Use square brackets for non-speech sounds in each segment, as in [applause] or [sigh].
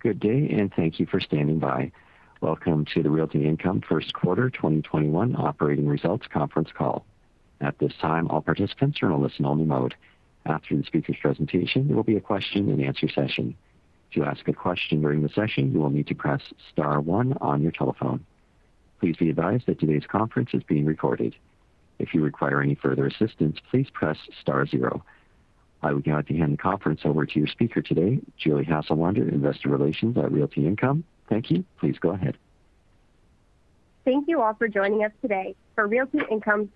Good day, and thank you for standing by. Welcome to the Realty Income Q1 2021 Operating Results Conference Call. At this time, all participants are in a listen-only mode. After the speaker's presentation, there will be a question-and-answer session. To ask a question during the session, you will need to press star one on your telephone. Please be advised that today's conference is being recorded. If you require any further assistance, please press star zero. I would now like to hand the conference over to your speaker today, Julie Hasselwander, Investor Relations at Realty Income. Thank you. Please go ahead. Thank you all for joining us today for Realty Income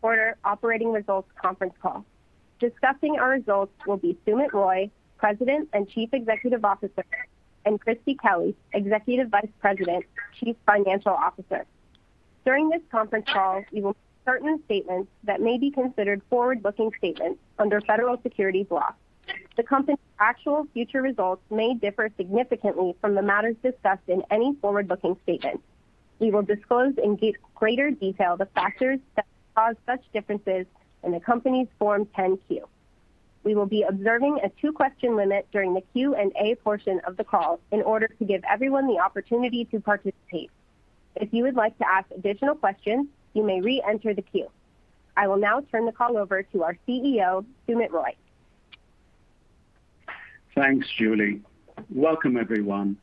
Quarter Operating Results Conference Call. Discussing our results will be Sumit Roy, President and Chief Executive Officer, and Christie Kelly, Executive Vice President, Chief Financial Officer. During this conference call, we will make certain statements that may be considered forward-looking statements under federal securities law. The company's actual future results may differ significantly from the matters discussed in any forward-looking statement. We will disclose in greater detail the factors that cause such differences in the company's Form 10-Q. We will be observing a two-question limit during the Q&A portion of the call in order to give everyone the opportunity to participate. If you would like to ask additional questions, you may re-enter the queue. I will now turn the call over to our CEO, Sumit Roy. Thanks, Julie. Welcome, everyone.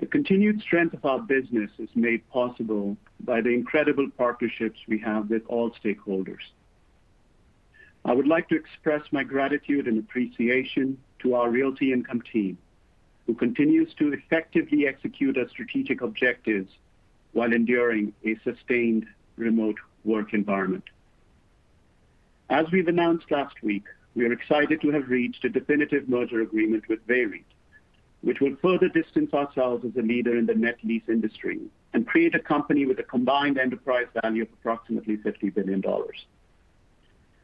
The continued strength of our business is made possible by the incredible partnerships we have with all stakeholders. I would like to express my gratitude and appreciation to our Realty Income team, who continues to effectively execute our strategic objectives while enduring a sustained remote work environment. As we've announced last week, we are excited to have reached a definitive merger agreement with VEREIT, which will further distance ourselves as a leader in the net lease industry and create a company with a combined enterprise value of approximately $50 billion.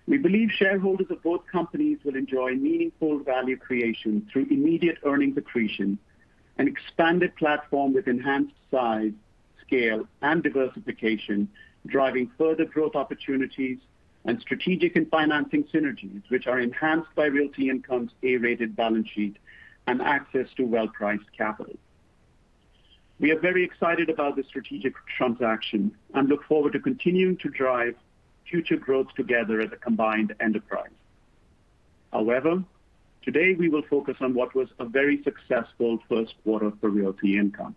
We believe shareholders of both companies will enjoy meaningful value creation through immediate earning accretion, an expanded platform with enhanced size, scale, and diversification, driving further growth opportunities, and strategic and financing synergies, which are enhanced by Realty Income's A-rated balance sheet and access to well-priced capital. We are very excited about this strategic transaction and look forward to continuing to drive future growth together as a combined enterprise. Today we will focus on what was a very successful Q1 for Realty Income.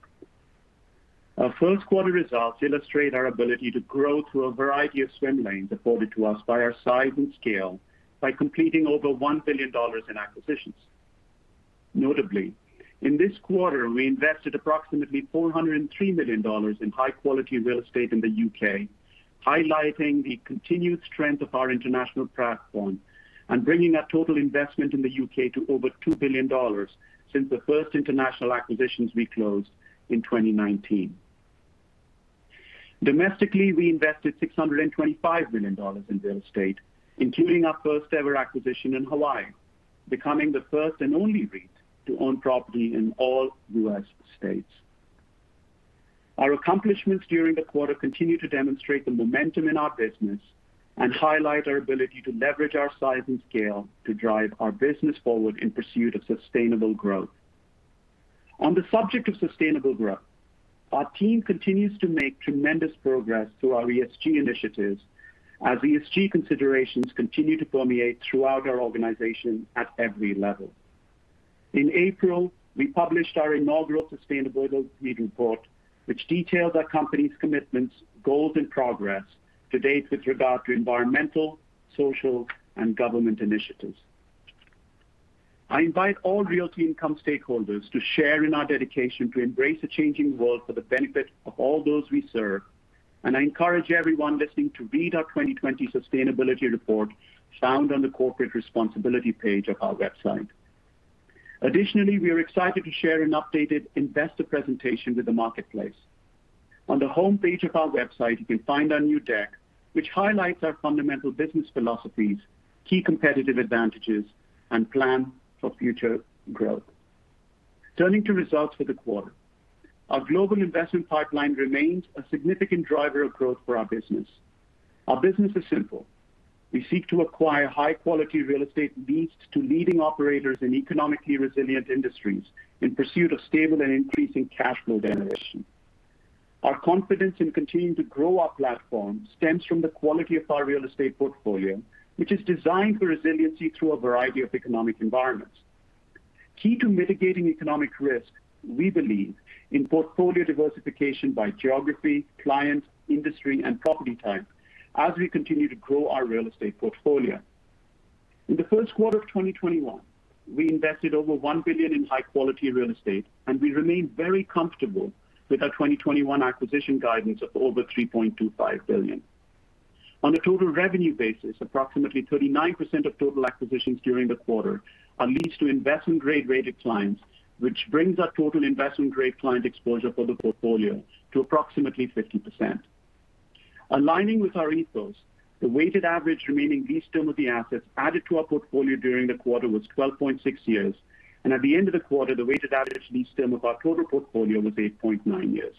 Our Q1 results illustrate our ability to grow through a variety of swim lanes afforded to us by our size and scale by completing over $1 billion in acquisitions. Notably, in this quarter, we invested approximately $403 million in high-quality real estate in the U.K., highlighting the continued strength of our international platform and bringing our total investment in the U.K. to over $2 billion since the first international acquisitions we closed in 2019. Domestically, we invested $625 million in real estate, including our first-ever acquisition in Hawaii, becoming the first and only REIT to own property in all U.S. states. Our accomplishments during the quarter continue to demonstrate the momentum in our business and highlight our ability to leverage our size and scale to drive our business forward in pursuit of sustainable growth. On the subject of sustainable growth, our team continues to make tremendous progress through our ESG initiatives as ESG considerations continue to permeate throughout our organization at every level. In April, we published our inaugural sustainability report, which detailed our company's commitments, goals, and progress to date with regard to environmental, social, and government initiatives. I invite all Realty Income stakeholders to share in our dedication to embrace a changing world for the benefit of all those we serve, and I encourage everyone listening to read our 2020 sustainability report found on the corporate responsibility page of our website. Additionally, we are excited to share an updated investor presentation with the marketplace. On the homepage of our website, you can find our new deck, which highlights our fundamental business philosophies, key competitive advantages, and plan for future growth. Turning to results for the quarter. Our global investment pipeline remains a significant driver of growth for our business. Our business is simple. We seek to acquire high-quality real estate leased to leading operators in economically resilient industries in pursuit of stable and increasing cash flow generation. Our confidence in continuing to grow our platform stems from the quality of our real estate portfolio, which is designed for resiliency through a variety of economic environments. Key to mitigating economic risk, we believe in portfolio diversification by geography, client, industry, and property type as we continue to grow our real estate portfolio. In the Q1 of 2021, we invested over $1 billion in high-quality real estate, and we remain very comfortable with our 2021 acquisition guidance of over $3.25 billion. On a total revenue basis, approximately 39% of total acquisitions during the quarter are leased to investment-grade rated clients, which brings our total investment-grade client exposure for the portfolio to approximately 50%. Aligning with our ethos, the weighted average remaining lease term of the assets added to our portfolio during the quarter was 12.6 years. At the end of the quarter, the weighted average lease term of our total portfolio was 8.9 years.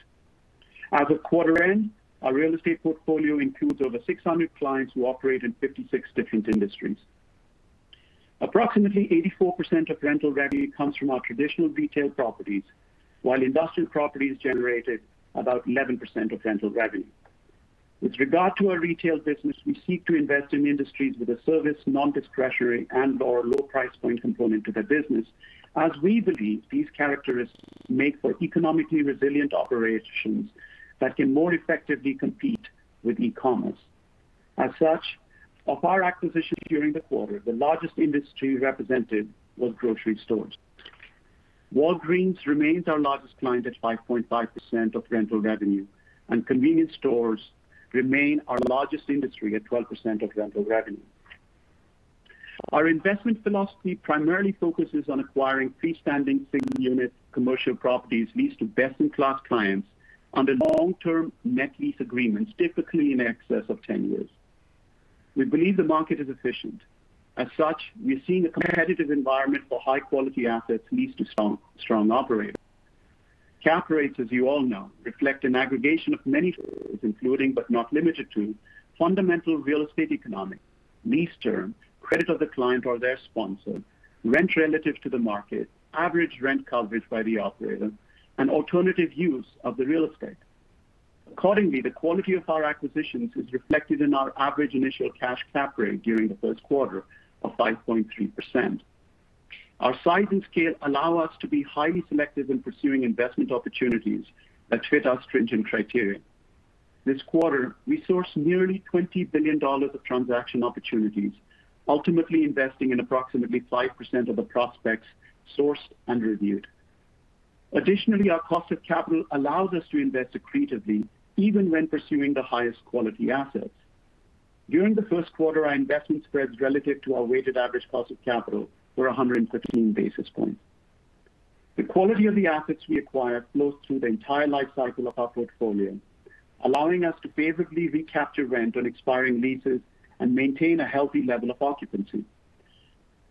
As of quarter end, our real estate portfolio includes over 600 clients who operate in 56 different industries. Approximately 84% of rental revenue comes from our traditional retail properties, while industrial properties generated about 11% of rental revenue. With regard to our retail business, we seek to invest in industries with a service, non-discretionary, and/or low price point component to their business, as we believe these characteristics make for economically resilient operations that can more effectively compete with e-commerce. Of our acquisitions during the quarter, the largest industry represented was grocery stores. Walgreens remains our largest client at 5.5% of rental revenue, and convenience stores remain our largest industry at 12% of rental revenue. Our investment philosophy primarily focuses on acquiring freestanding single-unit commercial properties leased to best-in-class clients under long-term net lease agreements, typically in excess of 10 years. We believe the market is efficient. We're seeing a competitive environment for high-quality assets leased to strong operators. Cap rates, as you all know, reflect an aggregation of many factors, including, but not limited to, fundamental real estate economics, lease terms, credit of the client or their sponsor, rent relative to the market, average rent coverage by the operator, and alternative use of the real estate. Accordingly, the quality of our acquisitions is reflected in our average initial cash cap rate during the Q1 of 5.3%. Our size and scale allow us to be highly selective in pursuing investment opportunities that fit our stringent criteria. This quarter, we sourced nearly $20 billion of transaction opportunities, ultimately investing in approximately 5% of the prospects sourced and reviewed. Additionally, our cost of capital allows us to invest accretively even when pursuing the highest quality assets. During the Q1, our investment spreads relative to our weighted average cost of capital were 115 basis points. The quality of the assets we acquire flows through the entire life cycle of our portfolio, allowing us to favorably recapture rent on expiring leases and maintain a healthy level of occupancy.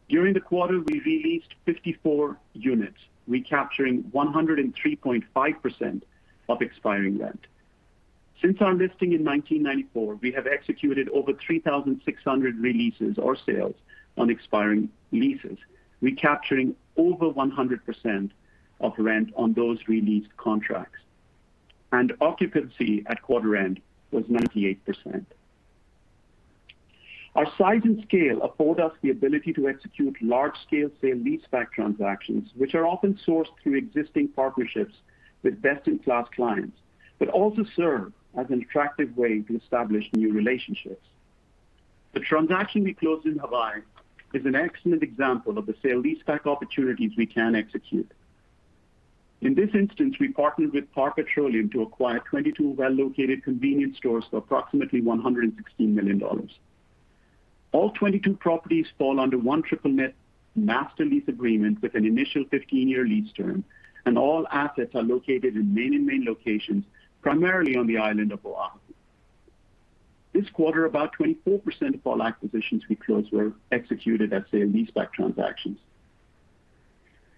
During the quarter, we re-leased 54 units, recapturing 103.5% of expiring rent. Since our listing in 1994, we have executed over 3,600 re-leases or sales on expiring leases, recapturing over 100% of rent on those re-leased contracts. Occupancy at quarter end was 98%. Our size and scale afford us the ability to execute large-scale sale-leaseback transactions, which are often sourced through existing partnerships with best-in-class clients, but also serve as an attractive way to establish new relationships. The transaction we closed in Hawaii is an excellent example of the sale-leaseback opportunities we can execute. In this instance, we partnered with Par Pacific to acquire 22 well-located convenience stores for approximately $116 million. All 22 properties fall under one triple-net master lease agreement with an initial 15-year lease term, and all assets are located in main locations, primarily on the island of Oahu. This quarter, about 24% of all acquisitions we closed were executed as sale-leaseback transactions.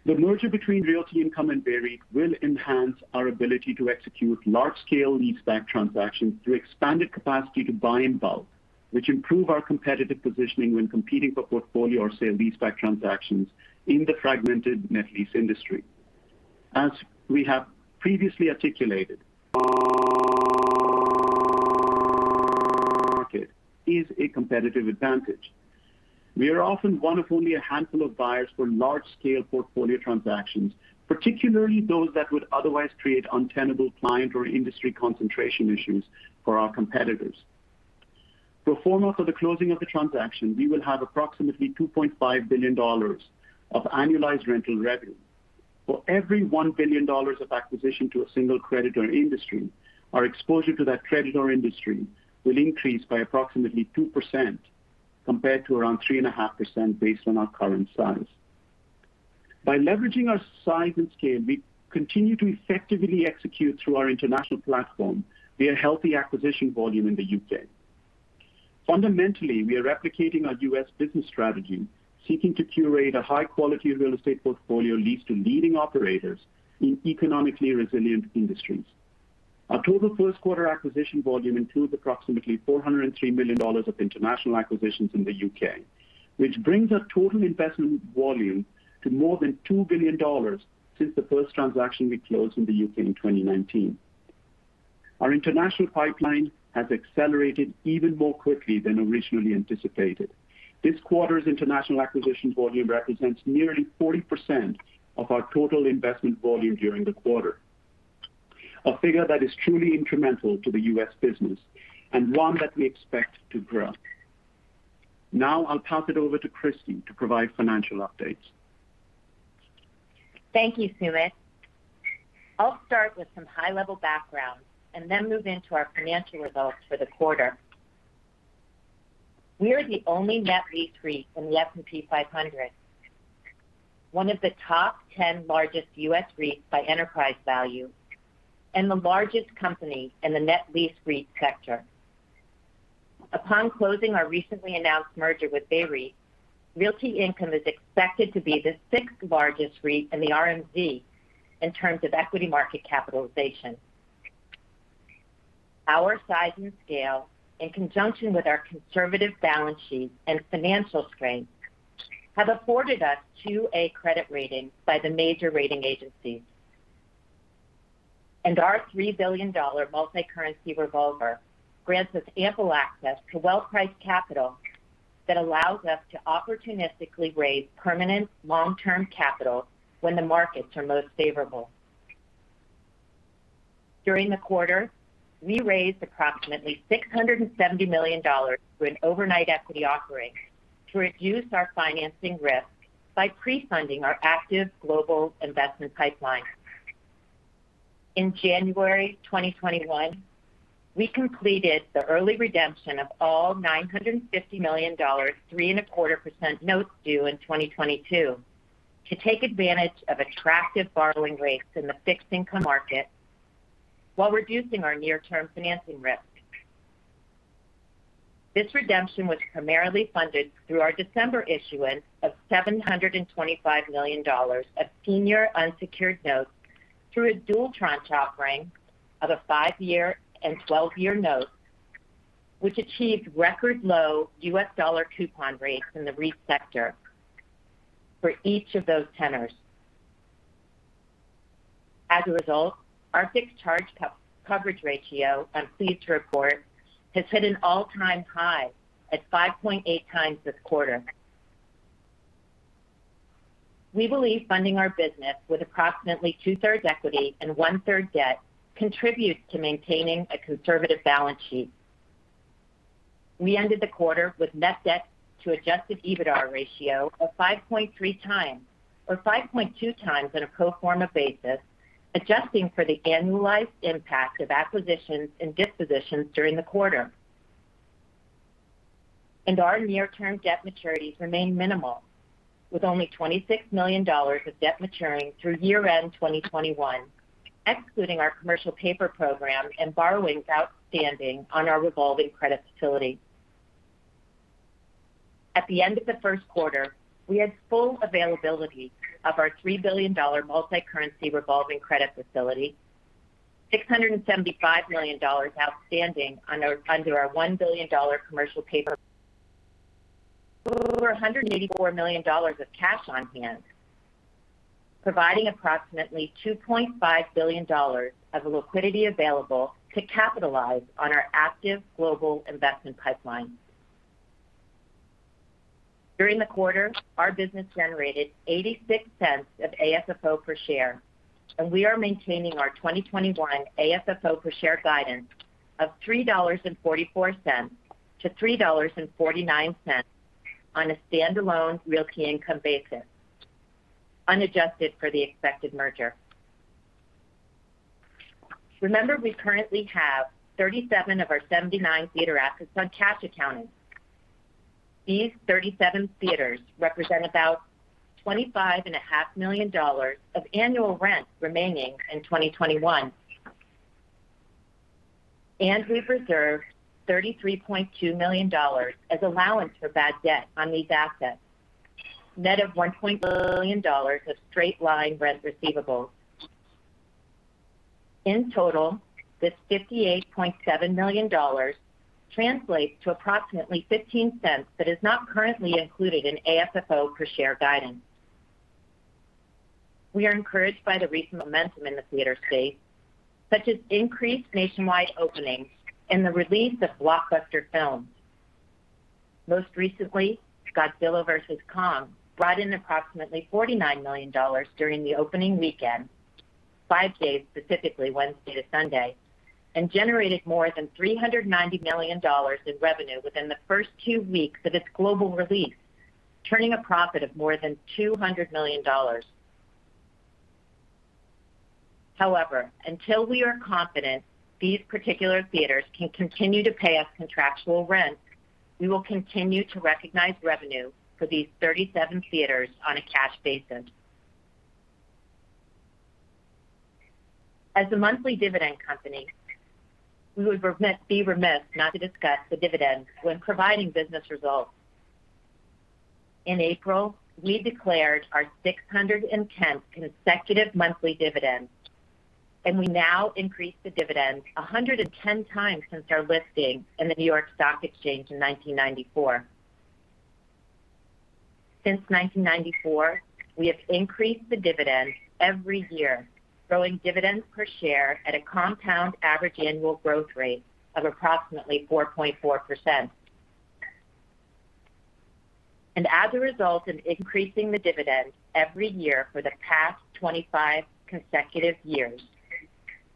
The merger between Realty Income and VEREIT will enhance our ability to execute large-scale lease-back transactions through expanded capacity to buy in bulk, which improve our competitive positioning when competing for portfolio or sale-leaseback transactions in the fragmented net lease industry. As we have previously articulated, our scale and market is a competitive advantage. We are often one of only a handful of buyers for large-scale portfolio transactions, particularly those that would otherwise create untenable client or industry concentration issues for our competitors. Pro forma for the closing of the transaction, we will have approximately $2.5 billion of annualized rental revenue. For every $1 billion of acquisition to a single creditor industry, our exposure to that creditor industry will increase by approximately 2% compared to around 3.5% based on our current size. By leveraging our size and scale, we continue to effectively execute through our international platform via healthy acquisition volume in the U.K. Fundamentally, we are replicating our U.S. business strategy, seeking to curate a high-quality real estate portfolio leased to leading operators in economically resilient industries. Our total Q1 acquisition volume includes approximately $403 million of international acquisitions in the U.K., which brings our total investment volume to more than $2 billion since the first transaction we closed in the U.K. in 2019. Our international pipeline has accelerated even more quickly than originally anticipated. This quarter's international acquisitions volume represents nearly 40% of our total investment volume during the quarter, a figure that is truly incremental to the U.S. business and one that we expect to grow. I'll pass it over to Christie to provide financial updates. Thank you, Sumit. I'll start with some high-level background and then move into our financial results for the quarter. We are the only net lease REIT in the S&P 500, one of the top 10 largest U.S. REITs by enterprise value, and the largest company in the net lease REIT sector. Upon closing our recently announced merger with VEREIT, Realty Income is expected to be the sixth largest REIT in the RMZ in terms of equity market capitalization. Our size and scale, in conjunction with our conservative balance sheet and financial strength, have afforded us AA credit rating by the major rating agencies. Our $3 billion multi-currency revolver grants us ample access to well-priced capital that allows us to opportunistically raise permanent long-term capital when the markets are most favorable. During the quarter, we raised approximately $670 million through an overnight equity offering to reduce our financing risk by pre-funding our active global investment pipeline. In January 2021, we completed the early redemption of all $950 million, 3.25% notes due in 2022 to take advantage of attractive borrowing rates in the fixed income market while reducing our near-term financing risk. This redemption was primarily funded through our December issuance of $725 million of senior unsecured notes through a dual tranche offering of a five-year and 12-year note, which achieved record low U.S. dollar coupon rates in the REIT sector for each of those tenors. As a result, our fixed charge coverage ratio, I'm pleased to report, has hit an all-time high at 5.8x this quarter. We believe funding our business with approximately two-thirds equity and one-third debt contributes to maintaining a conservative balance sheet. We ended the quarter with net debt to Adjusted EBITDA ratio of 5.3x, or 5.2x on a pro forma basis, adjusting for the annualized impact of acquisitions and dispositions during the quarter. Our near-term debt maturities remain minimal, with only $26 million of debt maturing through year-end 2021, excluding our commercial paper program and borrowings outstanding on our revolving credit facility. At the end of the Q1, we had full availability of our $3 billion multi-currency revolving credit facility, $675 million outstanding under our $1 billion commercial paper. Over $184 million of cash on hand, providing approximately $2.5 billion of liquidity available to capitalize on our active global investment pipeline. During the quarter, our business generated $0.86 of AFFO per share, and we are maintaining our 2021 AFFO per share guidance of $3.44-$3.49 on a standalone Realty Income basis, unadjusted for the expected merger. Remember, we currently have 37 of our 79 theater assets on cash accounting. These 37 theaters represent about $25.5 million of annual rent remaining in 2021. We've reserved $33.2 million as allowance for bad debt on these assets, net of $1.1 billion of straight-line rent receivables. In total, this $58.7 million translates to approximately $0.15 that is not currently included in AFFO per share guidance. We are encouraged by the recent momentum in the theater space, such as increased nationwide openings and the release of blockbuster films. Most recently, Godzilla vs Kong brought in approximately $49 million during the opening weekend, five days, specifically Wednesday to Sunday, and generated more than $390 million in revenue within the first two weeks of its global release, turning a profit of more than $200 million. However until we are confident these particular theaters can continue to pay us contractual rent, we will continue to recognize revenue for these 37 theaters on a cash basis. As a Monthly Dividend Company, we would be remiss not to discuss the dividends when providing business results. In April, we declared our 610th consecutive monthly dividend, and we now increased the dividend 110x since our listing in the New York Stock Exchange in 1994. Since 1994, we have increased the dividend every year, growing dividends per share at a compound average annual growth rate of approximately 4.4%. As a result of increasing the dividend every year for the past 25 consecutive years,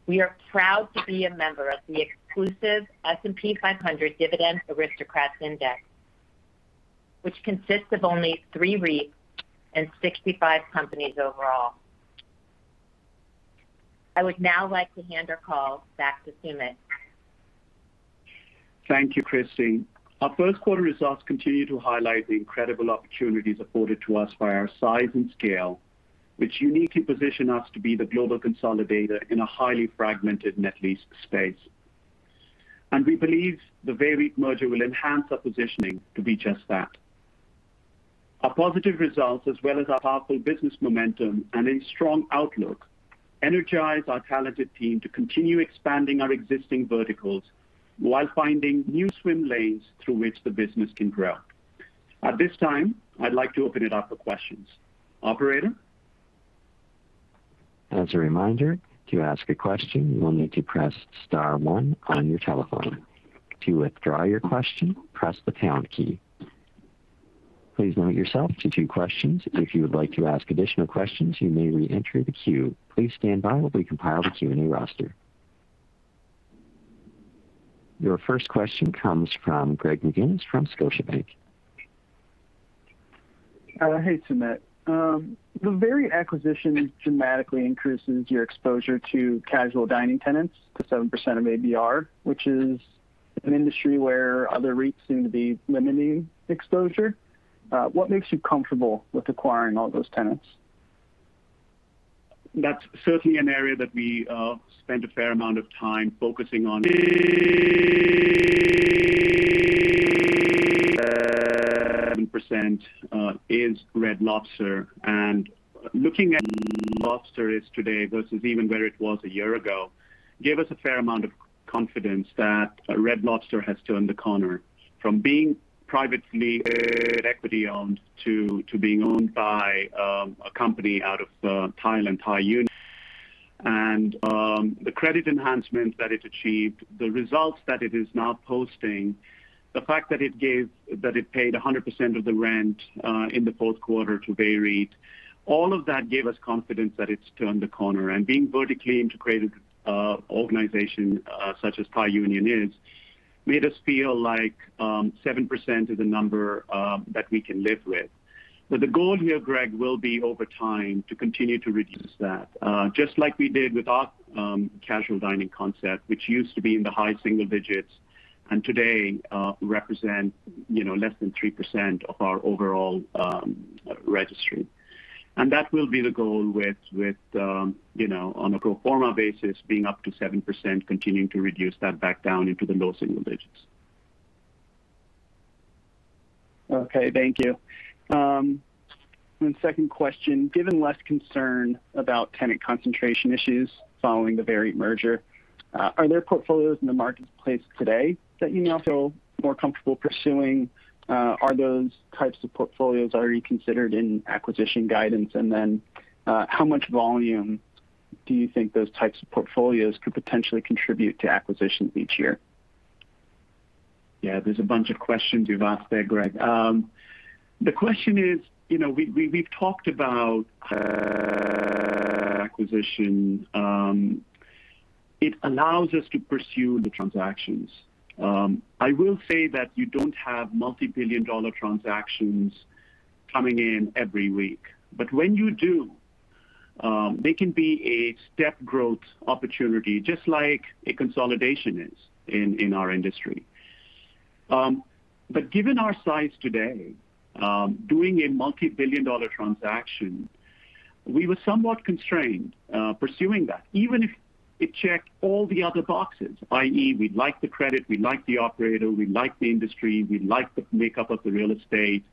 we are proud to be a member of the exclusive S&P 500 Dividend Aristocrats Index, which consists of only three REITs and 65 companies overall. I would now like to hand our call back to Sumit. Thank you, Christie. Our Q1 results continue to highlight the incredible opportunities afforded to us by our size and scale, which uniquely position us to be the global consolidator in a highly fragmented net lease space. We believe the VEREIT merger will enhance our positioning to be just that. Our positive results, as well as our powerful business momentum and a strong outlook, energize our talented team to continue expanding our existing verticals while finding new swim lanes through which the business can grow. At this time, I'd like to open it up for questions. Operator? As a reminder, to ask a question, you will need to press star one on your telephone. To withdraw your question, press the pound key. Please limit yourself to two questions. If you would like to ask additional questions, you may re-enter the queue. Please stand by while we compile the Q&A roster. Your first question comes from Greg McGinniss from Scotiabank. Hey, Sumit. The VEREIT acquisition dramatically increases your exposure to casual dining tenants to 7% of ABR, which is an industry where other REITs seem to be limiting exposure. What makes you comfortable with acquiring all those tenants? That's certainly an area that we spent a fair amount of time focusing on. [audio distortion] -percent, is Red Lobster. Looking at Red Lobster is today versus even where it was a year ago, gave us a fair amount of confidence that Red Lobster has turned the corner from being privately equity-owned to being owned by a company out of Thailand, Thai Union. The credit enhancement that it achieved, the results that it is now posting, the fact that it paid 100% of the rent in the Q4 to VEREIT, all of that gave us confidence that it's turned the corner. Being vertically integrated organization, such as Thai Union is, made us feel like 7% is a number that we can live with. The goal here, Greg, will be over time to continue to reduce that, just like we did with our casual dining concept, which used to be in the high single digits and today represents less than 3% of our overall registry. That will be the goal with, on a pro forma basis, being up to 7%, continuing to reduce that back down into the low single digits. Okay, thank you. Second question, given less concern about tenant concentration issues following the VEREIT merger, are there portfolios in the marketplace today that you now feel more comfortable pursuing? Are those types of portfolios already considered in acquisition guidance? How much volume do you think those types of portfolios could potentially contribute to acquisitions each year? Yeah, there's a bunch of questions you've asked there, Greg. The question is, we've talked about acquisition. It allows us to pursue the transactions. I will say that you don't have multi-billion dollar transactions coming in every week. When you do, they can be a step growth opportunity, just like a consolidation is in our industry. Given our size today, doing a multi-billion dollar transaction, we were somewhat constrained pursuing that, even if it checked all the other boxes, i.e., we like the credit, we like the operator, we like the industry, we like the makeup of the real estate,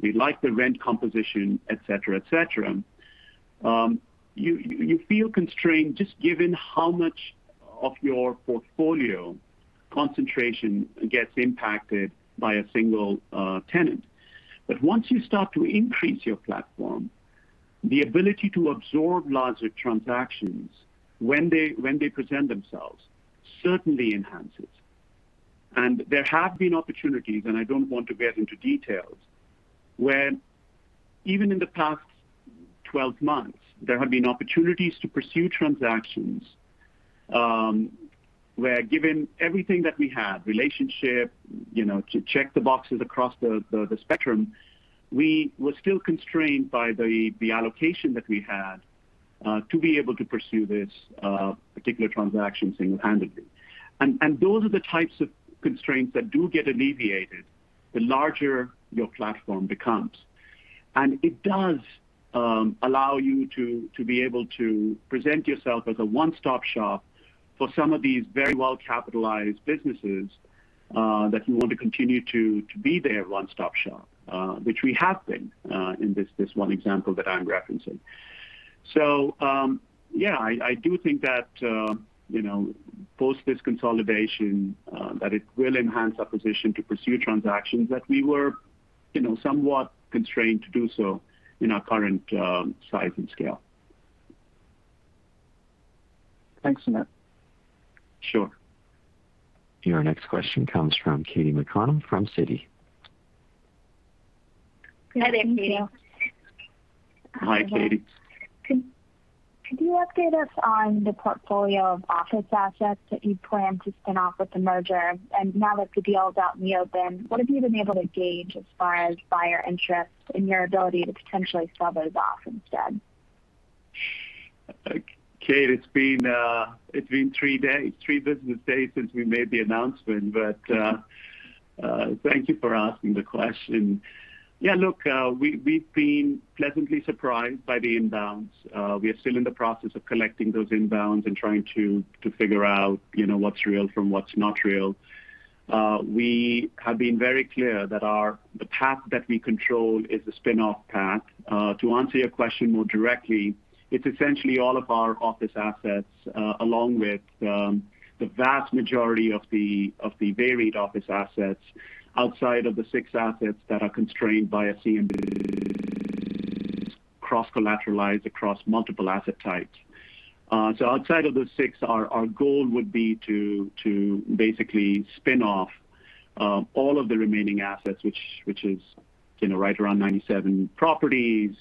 we like the rent composition, et cetera. You feel constrained just given how much of your portfolio concentration gets impacted by a single tenant. Once you start to increase your platform, the ability to absorb larger transactions when they present themselves certainly enhances. There have been opportunities, and I don't want to get into details, where even in the past 12 months, there have been opportunities to pursue transactions, where given everything that we have, relationship, to check the boxes across the spectrum, we were still constrained by the allocation that we had, to be able to pursue this particular transaction single-handedly. Those are the types of constraints that do get alleviated the larger your platform becomes. It does allow you to be able to present yourself as a one-stop shop for some of these very well-capitalized businesses, that you want to continue to be their one-stop shop, which we have been, in this one example that I'm referencing. Yeah, I do think that, post this consolidation, that it will enhance our position to pursue transactions that we were somewhat constrained to do so in our current size and scale. Thanks, Sumit. Sure. Your next question comes from Katy McConnell from Citi. Good evening. Hi, Katy. Could you update us on the portfolio of office assets that you plan to spin off with the merger? Now that the deal is out in the open, what have you been able to gauge as far as buyer interest and your ability to potentially sell those off instead? Katy, it's been three business days since we made the announcement, but thank you for asking the question. Look, we've been pleasantly surprised by the inbounds. We are still in the process of collecting those inbounds and trying to figure out what's real from what's not real. We have been very clear that the path that we control is the spinoff path. To answer your question more directly, it's essentially all of our office assets, along with the vast majority of the VEREIT office assets outside of the six assets that are constrained by a CMBS cross-collateralized across multiple asset types. Outside of those six, our goal would be to basically spin off all of the remaining assets, which is right around 97 properties,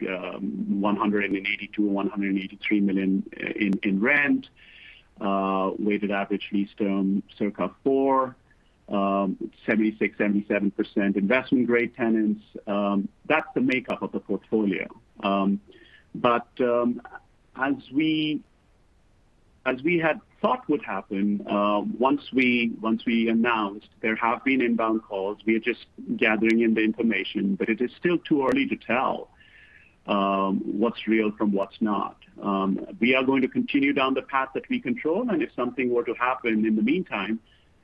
$182 million or $183 million in rent, weighted average lease term circa four, 76%-77% investment-grade tenants. That's the makeup of the portfolio. As we had thought would happen, once we announced, there have been inbound calls. We are just gathering in the information, but it is still too early to tell what's real from what's not. We are going to continue down the path that we control, and if something were to happen in the meantime,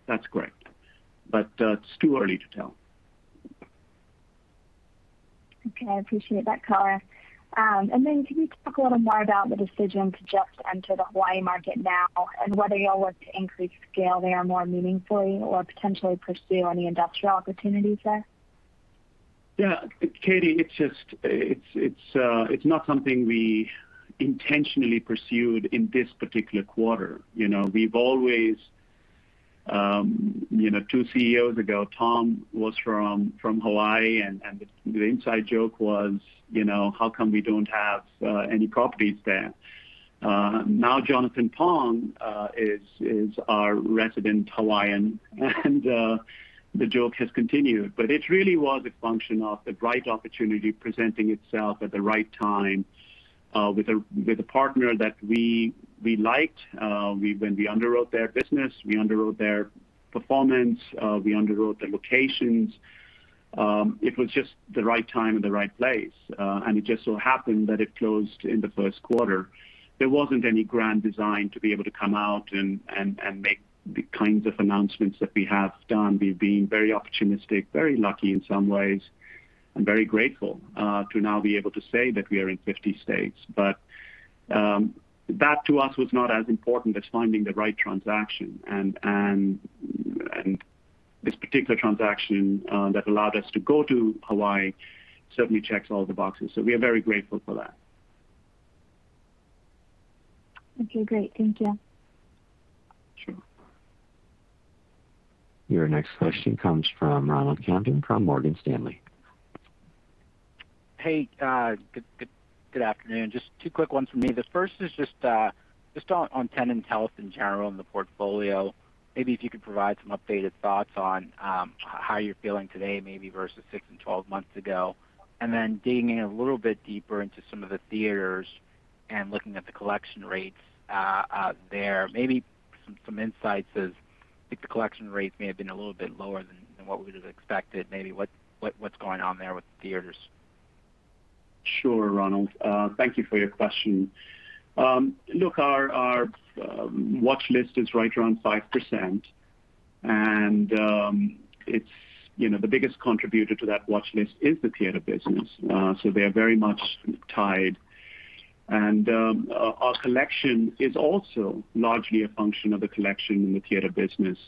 that's great, but it's too early to tell. Okay. I appreciate that, Sumit. Then can you talk a little more about the decision to just enter the Hawaii market now and whether you all look to increase scale there more meaningfully or potentially pursue any industrial opportunities there? Katy, it's not something we intentionally pursued in this particular quarter. Two CEOs ago, Tom was from Hawaii, the inside joke was, how come we don't have any properties there? Now Jonathan Pong is our resident Hawaiian, the joke has continued. It really was a function of the right opportunity presenting itself at the right time, with a partner that we liked. When we underwrote their business, we underwrote their performance, we underwrote their locations. It was just the right time and the right place, it just so happened that it closed in the Q1. There wasn't any grand design to be able to come out and make the kinds of announcements that we have done. We've been very opportunistic, very lucky in some ways, very grateful to now be able to say that we are in 50 states. That to us was not as important as finding the right transaction, and this particular transaction that allowed us to go to Hawaii certainly checks all the boxes. We are very grateful for that. Okay, great. Thank you. Sure. Your next question comes from Ronald Kamdem from Morgan Stanley. Hey, good afternoon. Just two quick ones from me. The first is just on tenants' health in general in the portfolio. Maybe if you could provide some updated thoughts on how you're feeling today, maybe versus six and 12 months ago. Digging in a little bit deeper into some of the theaters and looking at the collection rates there, maybe some insights as I think the collection rates may have been a little bit lower than what we would've expected. Maybe what's going on there with the theaters? Sure, Ronald. Thank you for your question. Look, our watchlist is right around 5%, and the biggest contributor to that watchlist is the theater business, so they are very much tied. Our collection is also largely a function of the collection in the theater business.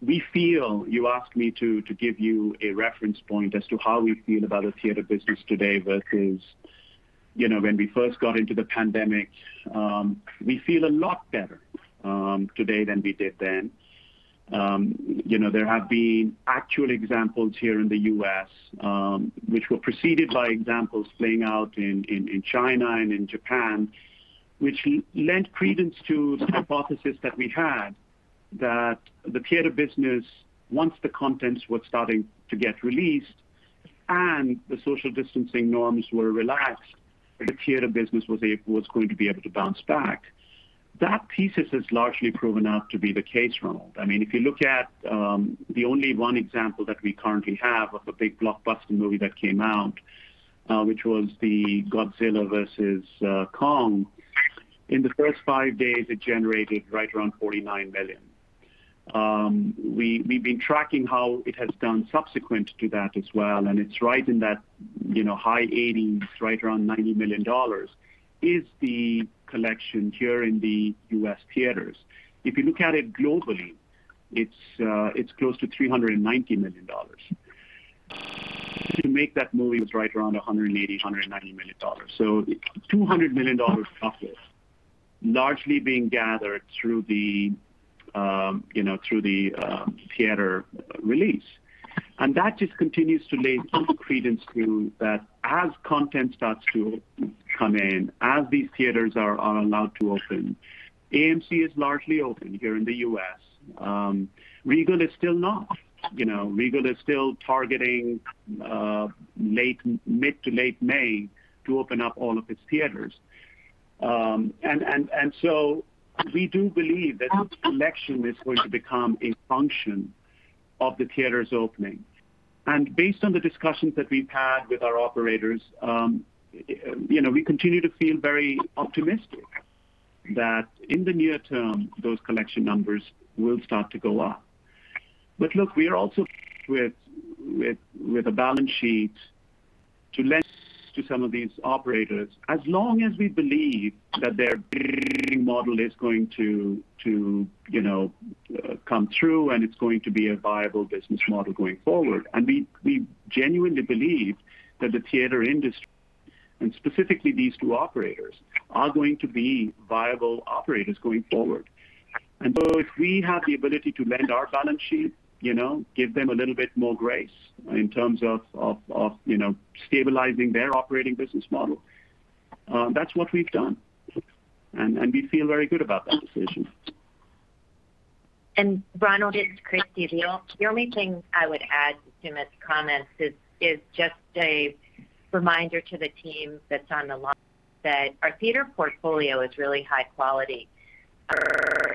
You asked me to give you a reference point as to how we feel about the theater business today versus when we first got into the pandemic. We feel a lot better today than we did then. There have been actual examples here in the U.S., which were preceded by examples playing out in China and in Japan, which lent credence to the hypothesis that we had that the theater business, once the contents were starting to get released and the social distancing norms were relaxed, the theater business was going to be able to bounce back. That thesis has largely proven out to be the case, Ronald. If you look at the only one example that we currently have of a big blockbuster movie that came out, which was the "Godzilla vs. Kong." In the first five days, it generated right around $49 million. We've been tracking how it has done subsequent to that as well, it's right in that high 80s, right around $90 million, is the collection here in the U.S. theaters. If you look at it globally, it's close to $390 million. To make that movie was right around $180 million, $190 million. $200 million profit largely being gathered through the theater release. That just continues to lend some credence to that as content starts to come in, as these theaters are allowed to open, AMC is largely open here in the U.S. Regal is still not. Regal is still targeting mid to late May to open up all of its theaters. We do believe that this collection is going to become a function of the theaters opening. Based on the discussions that we've had with our operators, we continue to feel very optimistic that in the near term, those collection numbers will start to go up. Look, we are also with a balance sheet to lend to some of these operators as long as we believe that their model is going to come through and it's going to be a viable business model going forward. We genuinely believe that the theater industry, and specifically these two operators, are going to be viable operators going forward. If we have the ability to lend our balance sheet, give them a little bit more grace in terms of stabilizing their operating business model. That's what we've done. We feel very good about that decision. Ronald, it's Christie. The only thing I would add to Sumit's comments is just a reminder to the team that's on the line that our theater portfolio is really high quality.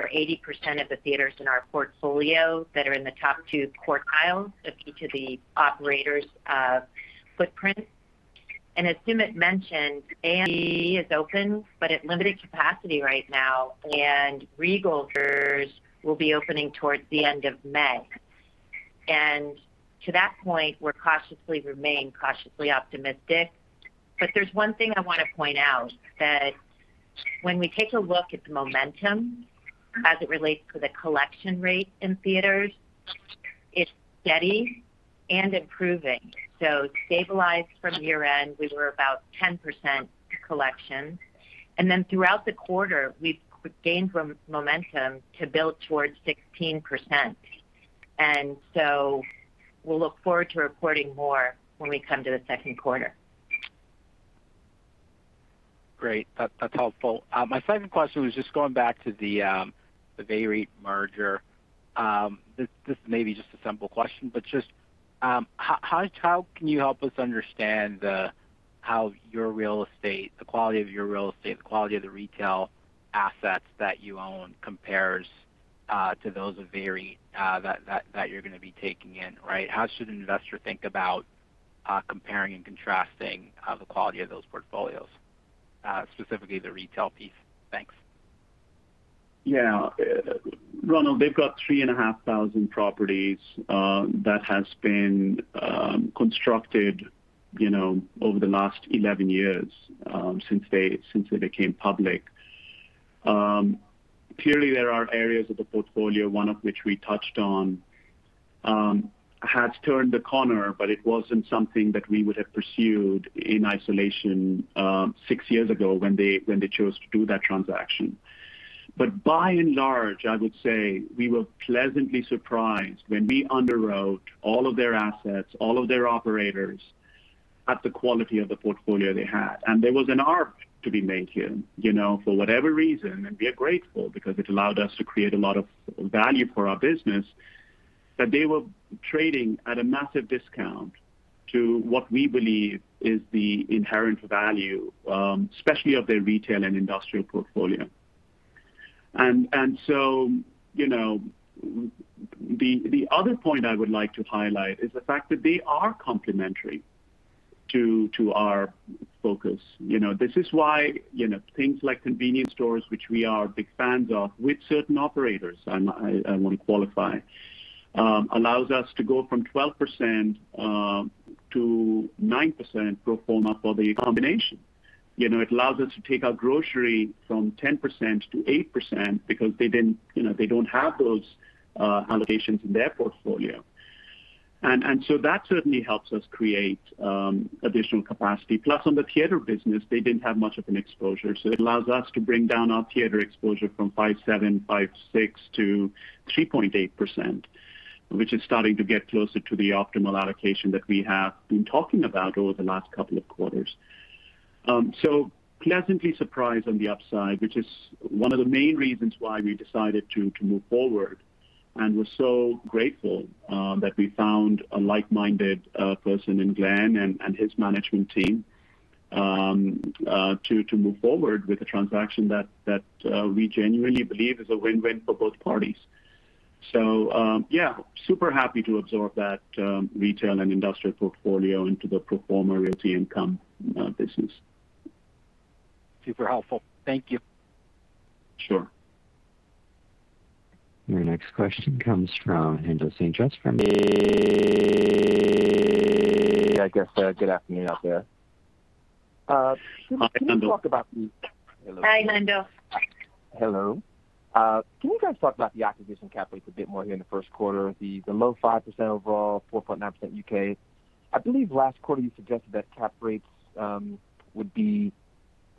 80% of the theaters in our portfolio that are in the top two quartiles of each of the operators' footprint. As Sumit mentioned, AMC is open, but at limited capacity right now, and Regal theaters will be opening towards the end of May. To that point, we remain cautiously optimistic. There's one thing I want to point out, that when we take a look at the momentum as it relates to the collection rate in theaters, it's steady and improving. Stabilized from year-end, we were about 10% collection. Throughout the quarter, we've gained momentum to build towards 16%. We'll look forward to reporting more when we come to the Q2. Great. That's helpful. My second question was just going back to the VEREIT merger. This may be just a simple question, but just how can you help us understand how your real estate, the quality of your real estate, the quality of the retail assets that you own compares to those of VEREIT that you're going to be taking in, right? How should an investor think about comparing and contrasting the quality of those portfolios, specifically the retail piece? Thanks. Ronald, they've got 3,500 properties that has been constructed over the last 11 years since they became public. Clearly, there are areas of the portfolio, one of which we touched on, has turned a corner. It wasn't something that we would have pursued in isolation six years ago when they chose to do that transaction. By and large, I would say we were pleasantly surprised when we underwrote all of their assets, all of their operators at the quality of the portfolio they had. There was an arc to be made here, for whatever reason. We are grateful because it allowed us to create a lot of value for our business, that they were trading at a massive discount to what we believe is the inherent value, especially of their retail and industrial portfolio. The other point I would like to highlight is the fact that they are complementary to our focus. This is why things like convenience stores, which we are big fans of with certain operators, I want to qualify, allows us to go from 12% to 9% pro forma for the combination. It allows us to take our grocery from 10% to 8% because they don't have those allocations in their portfolio. That certainly helps us create additional capacity. Plus, on the theater business, they didn't have much of an exposure. It allows us to bring down our theater exposure from 5.7, 5.6 to 3.8%, which is starting to get closer to the optimal allocation that we have been talking about over the last couple of quarters. Pleasantly surprised on the upside, which is one of the main reasons why we decided to move forward and we're so grateful that we found a like-minded person in Glenn and his management team to move forward with a transaction that we genuinely believe is a win-win for both parties. Yeah, super happy to absorb that retail and industrial portfolio into the pro forma Realty Income business. Super helpful. Thank you. Sure. Your next question comes from Haendel St. Juste from- Yeah, I guess good afternoon out there. Hi, Haendel. Hi, Haendel. Hello. Can you guys talk about the acquisition cap rates a bit more here in the Q1? The low 5% overall, 4.9% U.K. I believe last quarter you suggested that cap rates for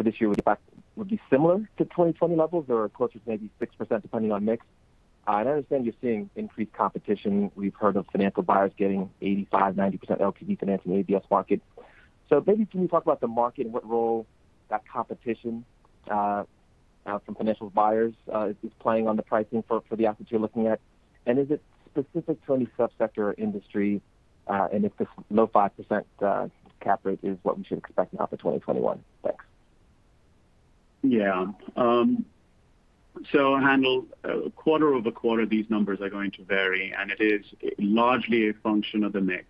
this year would be similar to 2020 levels or closer to maybe 6%, depending on mix. I understand you're seeing increased competition. We've heard of financial buyers getting 85%, 90% LTV financing in the ABS market. Maybe can you talk about the market and what role that competition from financial buyers is playing on the pricing for the assets you're looking at? Is it specific to any sub-sector or industry? If this low 5% cap rate is what we should expect now for 2021. Thanks. Yeah. Haendel, quarter-over-quarter, these numbers are going to vary, and it is largely a function of the mix.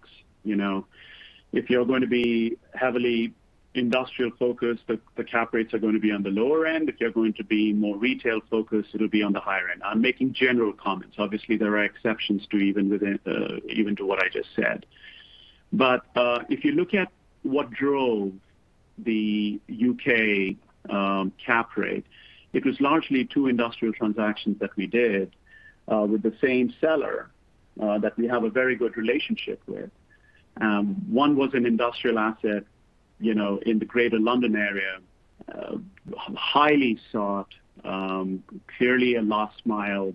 If you're going to be heavily industrial focused, the cap rates are going to be on the lower end. If you're going to be more retail focused, it'll be on the higher end. I'm making general comments. Obviously, there are exceptions to even to what I just said. If you look at what drove the U.K. cap rate, it was largely two industrial transactions that we did with the same seller that we have a very good relationship with. One was an industrial asset in the Greater London area. Highly sought, clearly a last mile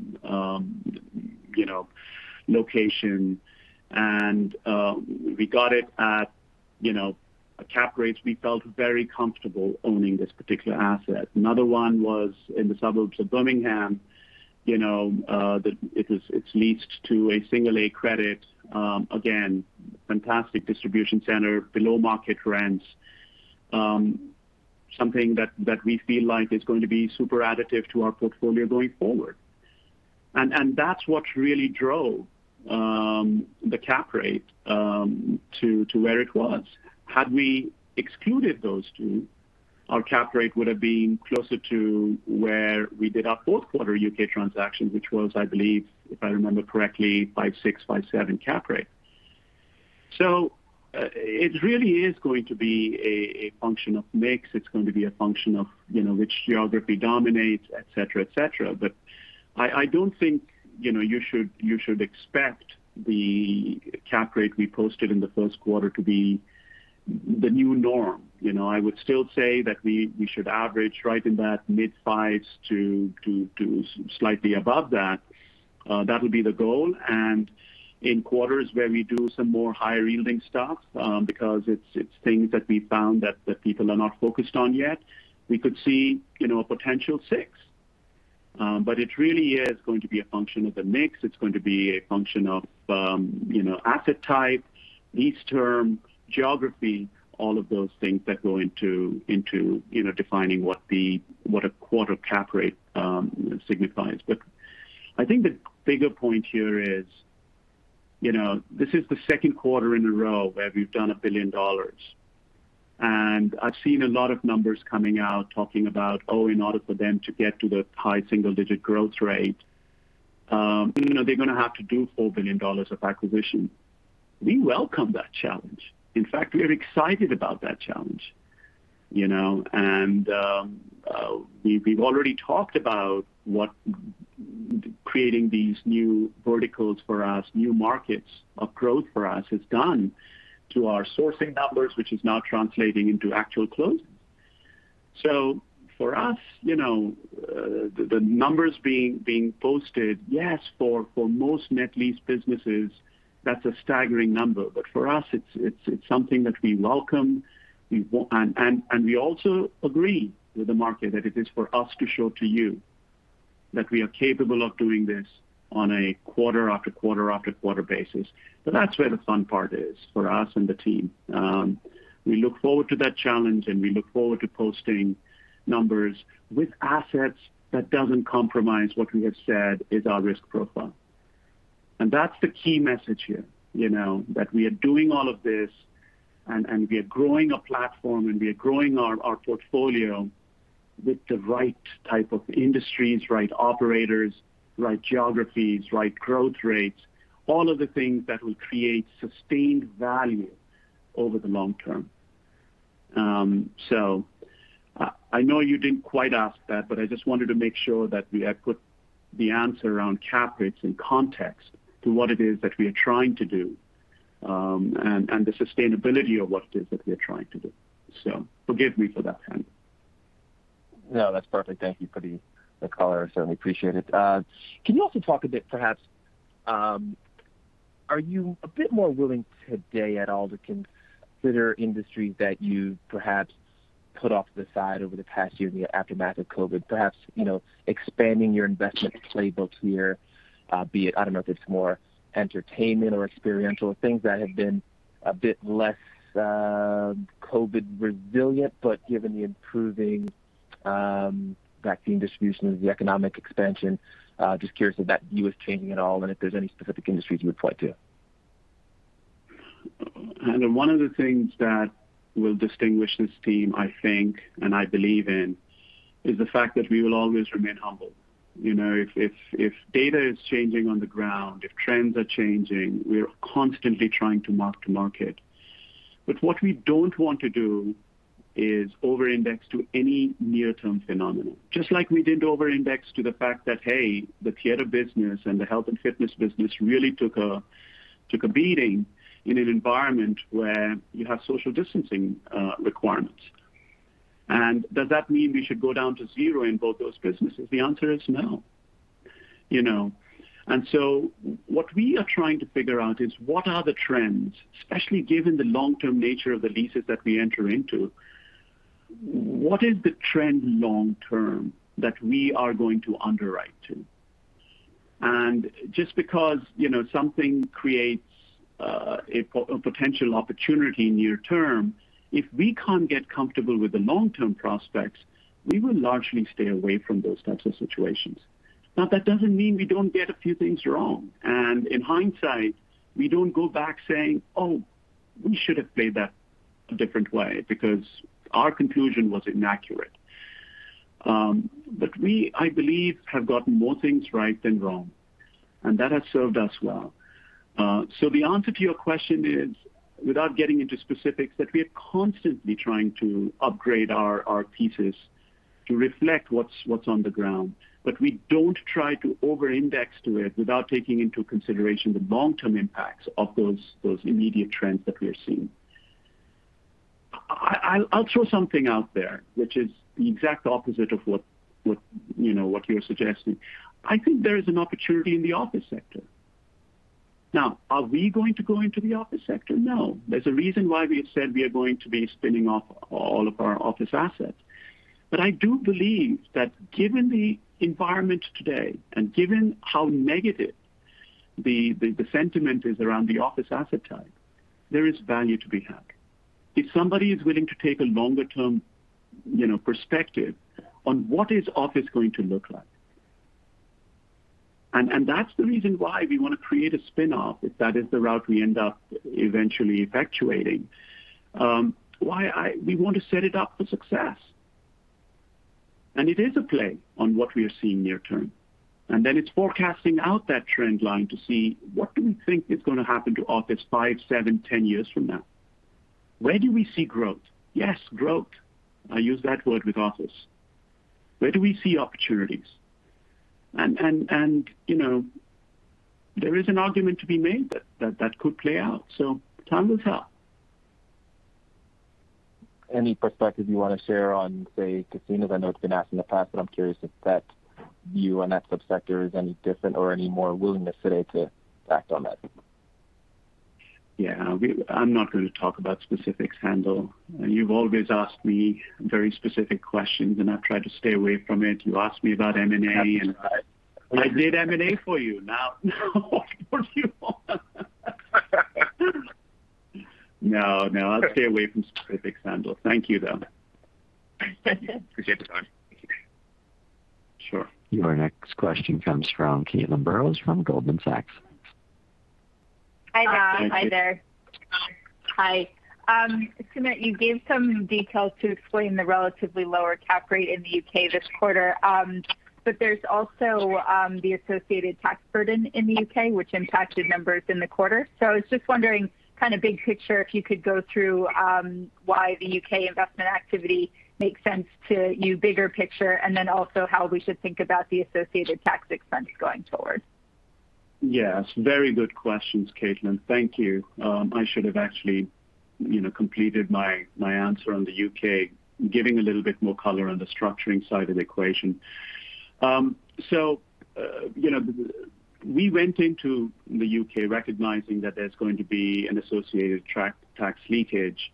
location. We got it at cap rates we felt very comfortable owning this particular asset. Another one was in the suburbs of Birmingham. It's leased to a single A credit. Again, fantastic distribution center, below-market rents. Something that we feel like is going to be super additive to our portfolio going forward. That's what really drove the cap rate to where it was. Had we excluded those two, our cap rate would have been closer to where we did our Q4 U.K. transaction, which was, I believe, if I remember correctly, 5.6, 5.7 cap rate. It really is going to be a function of mix. It's going to be a function of which geography dominates, et cetera. I don't think you should expect the cap rate we posted in the Q1 to be the new norm. I would still say that we should average right in that mid-fives to slightly above that. That would be the goal. In quarters where we do some more higher-yielding stuff because it's things that we found that the people are not focused on yet, we could see a potential six. It really is going to be a function of the mix. It's going to be a function of asset type, lease term, geography, all of those things that go into defining what a quarter cap rate signifies. I think the bigger point here is, this is the Q2 in a row where we've done $1 billion. I've seen a lot of numbers coming out talking about, oh, in order for them to get to the high single-digit growth rate they're going to have to do $4 billion of acquisition. We welcome that challenge. In fact, we are excited about that challenge. We've already talked about what creating these new verticals for us, new markets of growth for us, has done to our sourcing numbers, which is now translating into actual closings. For us, the numbers being posted, yes, for most net lease businesses, that's a staggering number. For us, it's something that we welcome. We also agree with the market that it is for us to show to you that we are capable of doing this on a quarter after quarter after quarter basis. That's where the fun part is for us and the team. We look forward to that challenge, and we look forward to posting numbers with assets that doesn't compromise what we have said is our risk profile. That's the key message here, that we are doing all of this, and we are growing a platform, and we are growing our portfolio with the right type of industries, right operators, right geographies, right growth rates, all of the things that will create sustained value over the long term. I know you didn't quite ask that, but I just wanted to make sure that we put the answer around cap rates in context to what it is that we are trying to do, and the sustainability of what it is that we are trying to do. Forgive me for that, Haendel. No, that's perfect. Thank you for the color. Certainly appreciate it. Can you also talk a bit perhaps, are you a bit more willing today at all to consider industries that you perhaps put off to the side over the past year in the aftermath of COVID? Perhaps expanding your investment playbook here, be it, I don't know if it's more entertainment or experiential things that have been a bit less COVID resilient, but given the improving vaccine distribution and the economic expansion, just curious if that view is changing at all and if there's any specific industries you would point to? Haendel, one of the things that will distinguish this team, I think and I believe in, is the fact that we will always remain humble. If data is changing on the ground, if trends are changing, we are constantly trying to mark-to-market. What we don't want to do is over-index to any near-term phenomenon. Just like we didn't over-index to the fact that, hey, the theater business and the health and fitness business really took a beating in an environment where you have social distancing requirements. Does that mean we should go down to zero in both those businesses? The answer is no. What we are trying to figure out is what are the trends, especially given the long-term nature of the leases that we enter into. What is the trend long term that we are going to underwrite to? Just because something creates a potential opportunity near term, if we can't get comfortable with the long-term prospects, we will largely stay away from those types of situations. That doesn't mean we don't get a few things wrong. In hindsight, we don't go back saying, "Oh, we should have played that a different way because our conclusion was inaccurate." We, I believe, have gotten more things right than wrong, and that has served us well. The answer to your question is, without getting into specifics, that we are constantly trying to upgrade our pieces to reflect what's on the ground. We don't try to over-index to it without taking into consideration the long-term impacts of those immediate trends that we are seeing. I'll throw something out there, which is the exact opposite of what you're suggesting. I think there is an opportunity in the office sector. Are we going to go into the office sector? No. There's a reason why we have said we are going to be spinning off all of our office assets. I do believe that given the environment today and given how negative the sentiment is around the office asset type, there is value to be had. If somebody is willing to take a longer-term perspective on what is office going to look like. That's the reason why we want to create a spinoff, if that is the route we end up eventually effectuating. We want to set it up for success. It is a play on what we are seeing near term. It's forecasting out that trend line to see what do we think is going to happen to office five, seven, 10 years from now. Where do we see growth? Yes, growth. I use that word with office. Where do we see opportunities? There is an argument to be made that that could play out. Time will tell. Any perspective you want to share on, say, casinos? I know it's been asked in the past, but I'm curious if that view on that subsector is any different or any more willingness today to act on that. Yeah. I'm not going to talk about specifics, Haendel. You've always asked me very specific questions, and I've tried to stay away from it. You asked me about M&A. That's right. I did M&A for you. Now what more do you want? No, I'll stay away from specifics, Haendel. Thank you, though. Appreciate the time. Thank you. Sure. Your next question comes from Caitlin Burrows from Goldman Sachs. Hi, Tom. Hi there. Hi. Sumit, you gave some details to explain the relatively lower cap rate in the U.K. this quarter. There's also the associated tax burden in the U.K. which impacted numbers in the quarter. I was just wondering, kind of big picture, if you could go through why the U.K. investment activity makes sense to you bigger picture, and then also how we should think about the associated tax expense going forward. Yes. Very good questions, Caitlin. Thank you. I should have actually completed my answer on the U.K., giving a little bit more color on the structuring side of the equation. We went into the U.K. recognizing that there's going to be an associated tax leakage.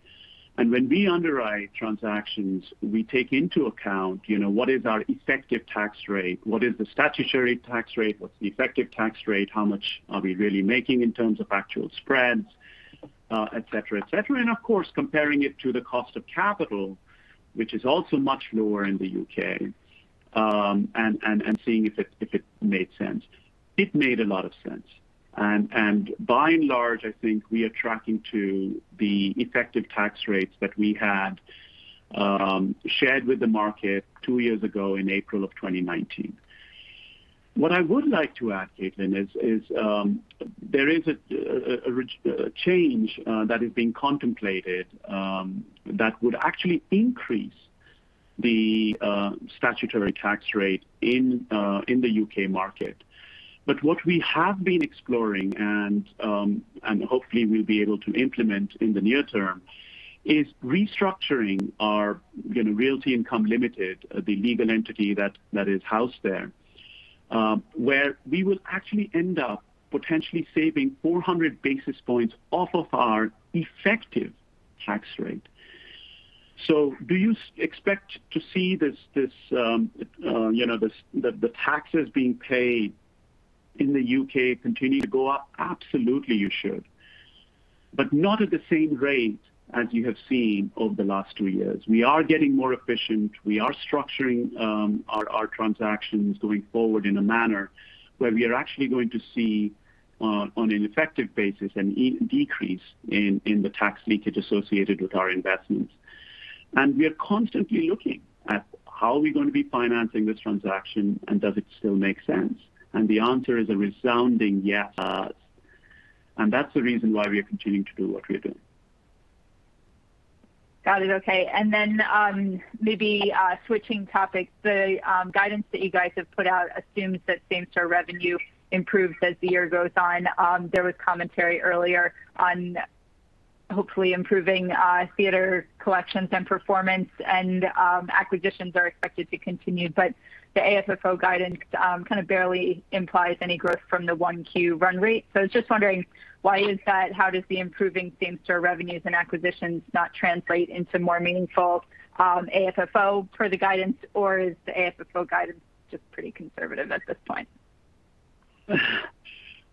When we underwrite transactions, we take into account what is our effective tax rate, what is the statutory tax rate, what's the effective tax rate, how much are we really making in terms of actual spreads, et cetera. Of course, comparing it to the cost of capital, which is also much lower in the U.K., and seeing if it made sense. It made a lot of sense. By and large, I think we are tracking to the effective tax rates that we had shared with the market two years ago in April of 2019. What I would like to add, Caitlin, is there is a change that is being contemplated that would actually increase the statutory tax rate in the UK market. What we have been exploring, and hopefully we'll be able to implement in the near term, is restructuring our Realty Income Limited, the legal entity that is housed there where we will actually end up potentially saving 400 basis points off of our effective tax rate. Do you expect to see the taxes being paid in the U.K. continue to go up? Absolutely, you should. Not at the same rate as you have seen over the last two years. We are getting more efficient. We are structuring our transactions going forward in a manner where we are actually going to see, on an effective basis, a decrease in the tax leakage associated with our investments. We are constantly looking at how are we going to be financing this transaction, and does it still make sense. The answer is a resounding yes. That's the reason why we are continuing to do what we are doing. Got it. Okay. Then maybe switching topics. The guidance that you guys have put out assumes that same-store revenue improves as the year goes on. There was commentary earlier on, hopefully improving theater collections and performance and acquisitions are expected to continue. The AFFO guidance kind of barely implies any growth from the 1Q run rate. I was just wondering, why is that? How does the improving same-store revenues and acquisitions not translate into more meaningful AFFO for the guidance? Is the AFFO guidance just pretty conservative at this point?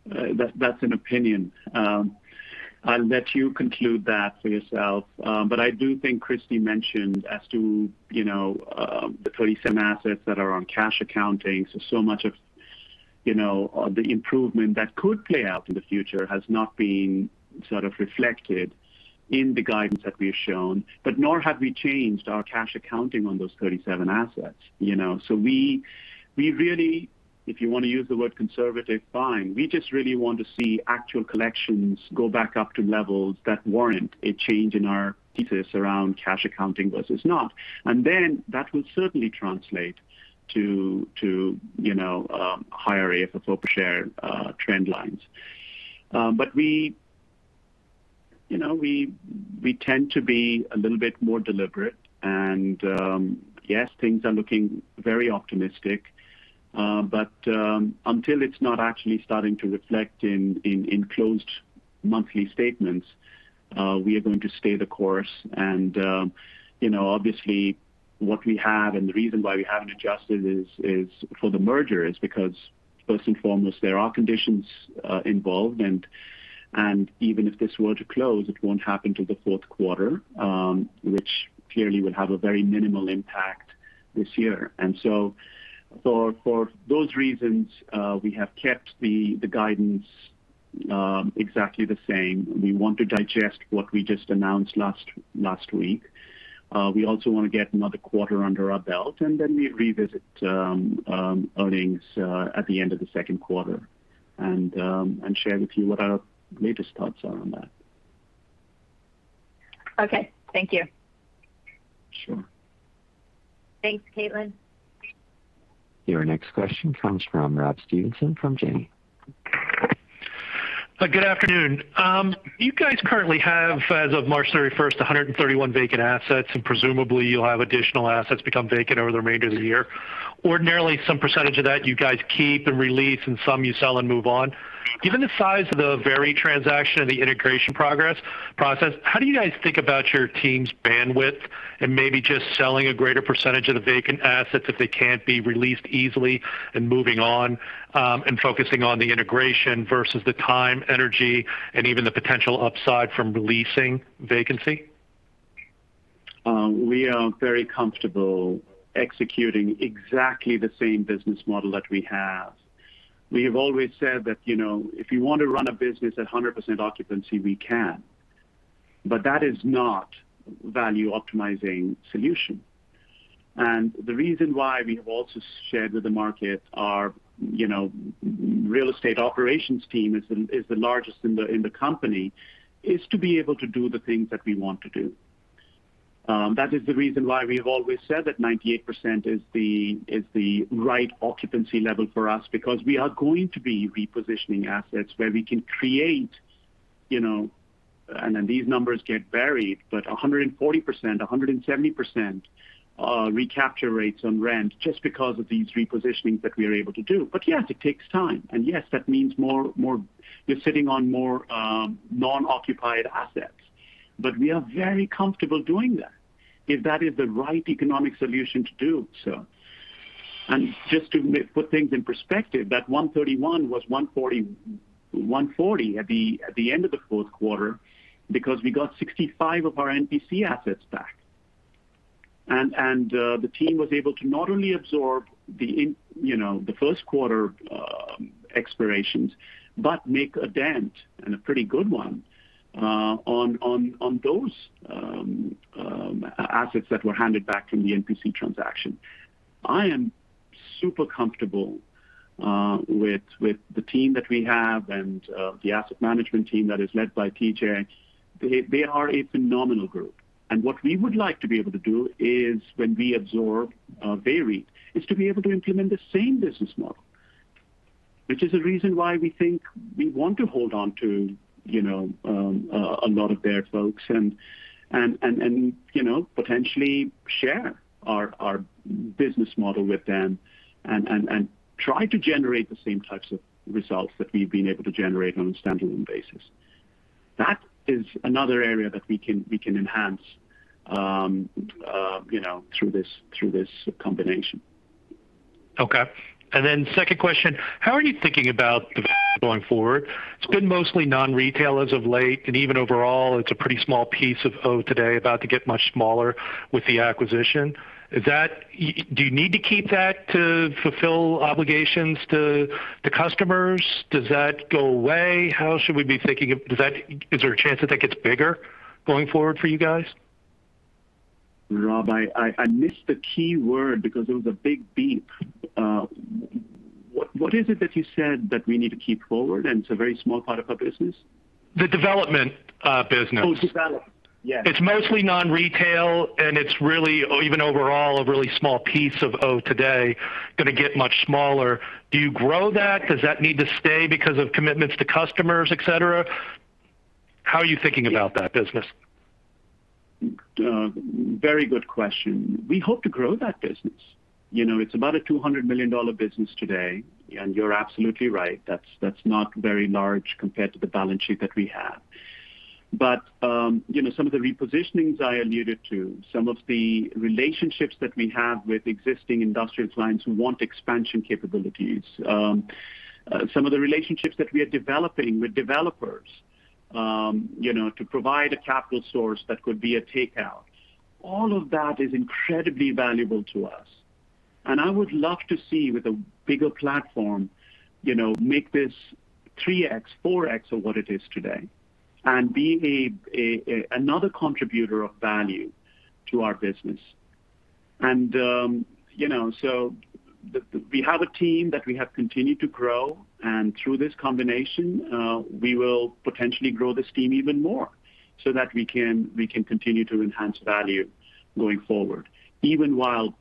That's an opinion. I'll let you conclude that for yourself. I do think Christie mentioned as to the 37 assets that are on cash accounting. Much of the improvement that could play out in the future has not been sort of reflected in the guidance that we have shown, but nor have we changed our cash accounting on those 37 assets. We really, if you want to use the word conservative, fine. We just really want to see actual collections go back up to levels that warrant a change in our thesis around cash accounting versus not. That will certainly translate to higher AFFO per share trend lines. We tend to be a little bit more deliberate and yes, things are looking very optimistic. Until it's not actually starting to reflect in closed monthly statements, we are going to stay the course. Obviously what we have and the reason why we haven't adjusted for the merger is because first and foremost, there are conditions involved and even if this were to close, it won't happen till the Q4, which clearly would have a very minimal impact this year. For those reasons, we have kept the guidance exactly the same. We want to digest what we just announced last week. We also want to get another quarter under our belt, and then we revisit earnings at the end of the Q2 and share with you what our latest thoughts are on that. Okay. Thank you. Sure. Thanks, Caitlin. Your next question comes from Rob Stevenson from Janney. Good afternoon. You guys currently have, as of March 31st, 131 vacant assets, and presumably you'll have additional assets become vacant over the remainder of the year. Ordinarily, some percentage of that you guys keep and re-lease, and some you sell and move on. Given the size of the VEREIT transaction and the integration process, how do you guys think about your team's bandwidth and maybe just selling a greater percentage of the vacant assets if they can't be re-leased easily and moving on, and focusing on the integration versus the time, energy, and even the potential upside from re-leasing vacancy? We are very comfortable executing exactly the same business model that we have. We have always said that if you want to run a business at 100% occupancy, we can. That is not value optimizing solution. The reason why we have also shared with the market our real estate operations team is the largest in the company, is to be able to do the things that we want to do. That is the reason why we have always said that 98% is the right occupancy level for us, because we are going to be repositioning assets where we can create, and these numbers get buried, but 140%, 170% recapture rates on rent just because of these repositionings that we are able to do. Yes, it takes time. Yes, that means you're sitting on more non-occupied assets. We are very comfortable doing that if that is the right economic solution to do so. Just to put things in perspective, that 131 was 140 at the end of the Q4 because we got 65 of our NPC assets back. The team was able to not only absorb the Q1 expirations, but make a dent, and a pretty good one, on those assets that were handed back from the NPC transaction. I am super comfortable with the team that we have and the asset management team that is led by TJ. They are a phenomenal group. What we would like to be able to do is when we absorb VEREIT, is to be able to implement the same business model. Which is the reason why we think we want to hold on to a lot of their folks and potentially share our business model with them and try to generate the same types of results that we've been able to generate on a standalone basis. That is another area that we can enhance through this combination. Okay. Second question, how are you thinking about the going forward? It's been mostly non-retail as of late, and even overall, it's a pretty small piece of O today, about to get much smaller with the acquisition. Do you need to keep that to fulfill obligations to the customers? Does that go away? Is there a chance that that gets bigger going forward for you guys? Rob, I missed the key word because there was a big beep. What is it that you said that we need to keep forward and it's a very small part of our business? The development business. It's mostly non-retail, and it's really, even overall, a really small piece of O today, going to get much smaller. Do you grow that? Does that need to stay because of commitments to customers, et cetera? How are you thinking about that business? Very good question. We hope to grow that business. It's about a $200 million business today. You're absolutely right, that's not very large compared to the balance sheet that we have. Some of the repositionings I alluded to, some of the relationships that we have with existing industrial clients who want expansion capabilities. Some of the relationships that we are developing with developers to provide a capital source that could be a takeout. All of that is incredibly valuable to us. I would love to see, with a bigger platform, make this 3x, 4x of what it is today, and be another contributor of value to our business. We have a team that we have continued to grow, and through this combination, we will potentially grow this team even more so that we can continue to enhance value going forward, even while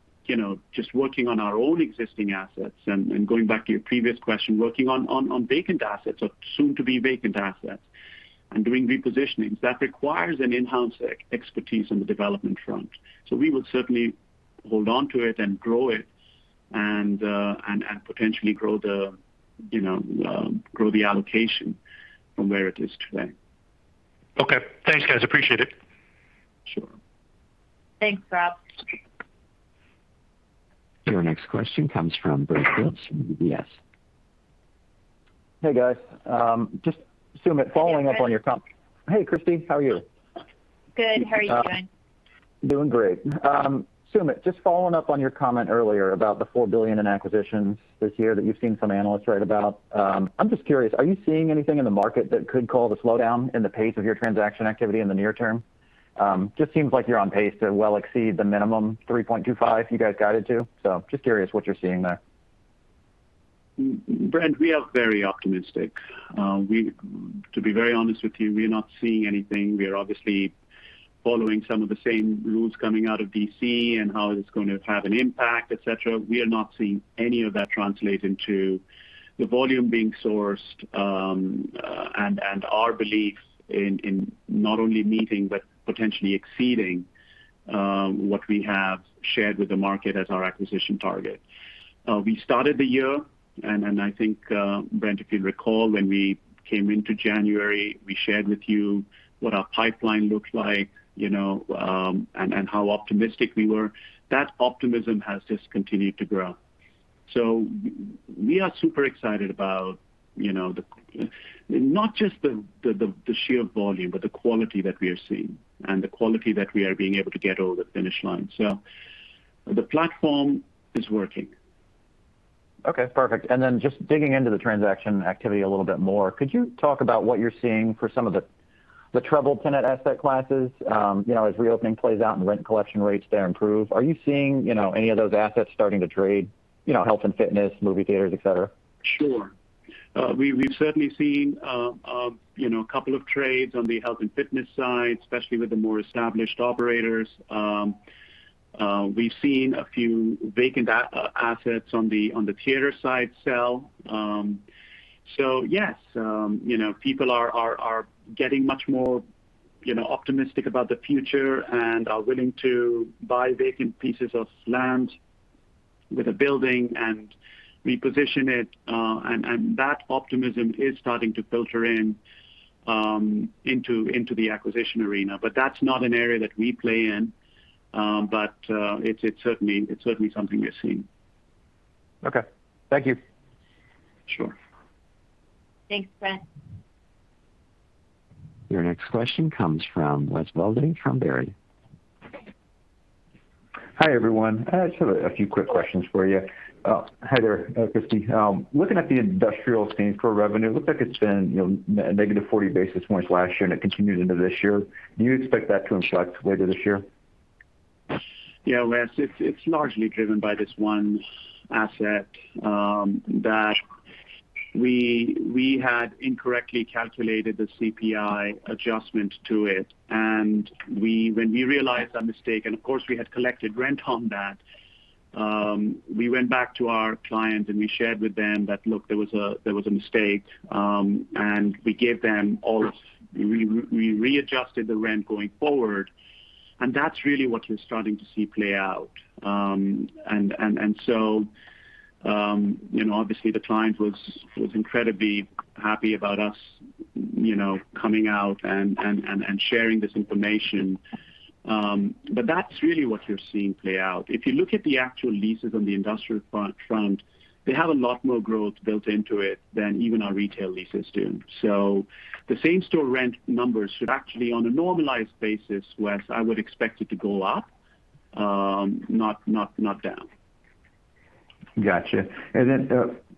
just working on our own existing assets. Going back to your previous question, working on vacant assets or soon-to-be vacant assets and doing repositionings. That requires an in-house expertise on the development front. We would certainly hold onto it and grow it, and potentially grow the allocation from where it is today. Okay. Thanks, guys. Appreciate it. Sure. Thanks, Rob. Your next question comes from Brent Dilts from UBS. Hey, guys. Just, Sumit, following up on your com-. Hey, Brent. Hey, Christie. How are you? Good. How are you doing? Doing great. Sumit, just following up on your comment earlier about the $4 billion in acquisitions this year that you've seen some analysts write about. I'm just curious, are you seeing anything in the market that could cull the slowdown in the pace of your transaction activity in the near term? Just seems like you're on pace to well exceed the minimum $3.25 billion you guys guided to. Just curious what you're seeing there. Brent, we are very optimistic. To be very honest with you, we are not seeing anything. We are obviously following some of the same rules coming out of D.C. and how it's going to have an impact, et cetera. We are not seeing any of that translate into the volume being sourced, and our beliefs in not only meeting but potentially exceeding what we have shared with the market as our acquisition target. We started the year, I think, Brent, if you'll recall, when we came into January, we shared with you what our pipeline looked like and how optimistic we were. That optimism has just continued to grow. We are super excited about not just the sheer volume, but the quality that we are seeing and the quality that we are being able to get over the finish line. The platform is working. Okay, perfect. Just digging into the transaction activity a little bit more, could you talk about what you're seeing for some of the troubled tenant asset classes? As reopening plays out and rent collection rates there improve, are you seeing any of those assets starting to trade, health and fitness, movie theaters, et cetera? Sure. We've certainly seen a couple of trades on the health and fitness side, especially with the more established operators. We've seen a few vacant assets on the theater side sell. Yes, people are getting much more optimistic about the future and are willing to buy vacant pieces of land with a building and reposition it. That optimism is starting to filter in into the acquisition arena. That's not an area that we play in. It's certainly something we're seeing. Okay. Thank you. Sure. Thanks, Brent. Your next question comes from Wes Golladay from Baird. Hi, everyone. I just have a few quick questions for you. Hi there, Christie. Looking at the industrial same store revenue, looks like it's been negative 40 basis points last year, and it continued into this year. Do you expect that to inflect later this year? Yeah, Wes, it's largely driven by this one asset that we had incorrectly calculated the CPI adjustment to it. When we realized our mistake, and of course, we had collected rent on that, we went back to our client, we shared with them that, look, there was a mistake. We readjusted the rent going forward, That's really what you're starting to see play out. Obviously the client was incredibly happy about us coming out and sharing this information. That's really what you're seeing play out. If you look at the actual leases on the industrial front, they have a lot more growth built into it than even our retail leases do. The same store rent numbers should actually, on a normalized basis, Wes, I would expect it to go up, not down. Got you.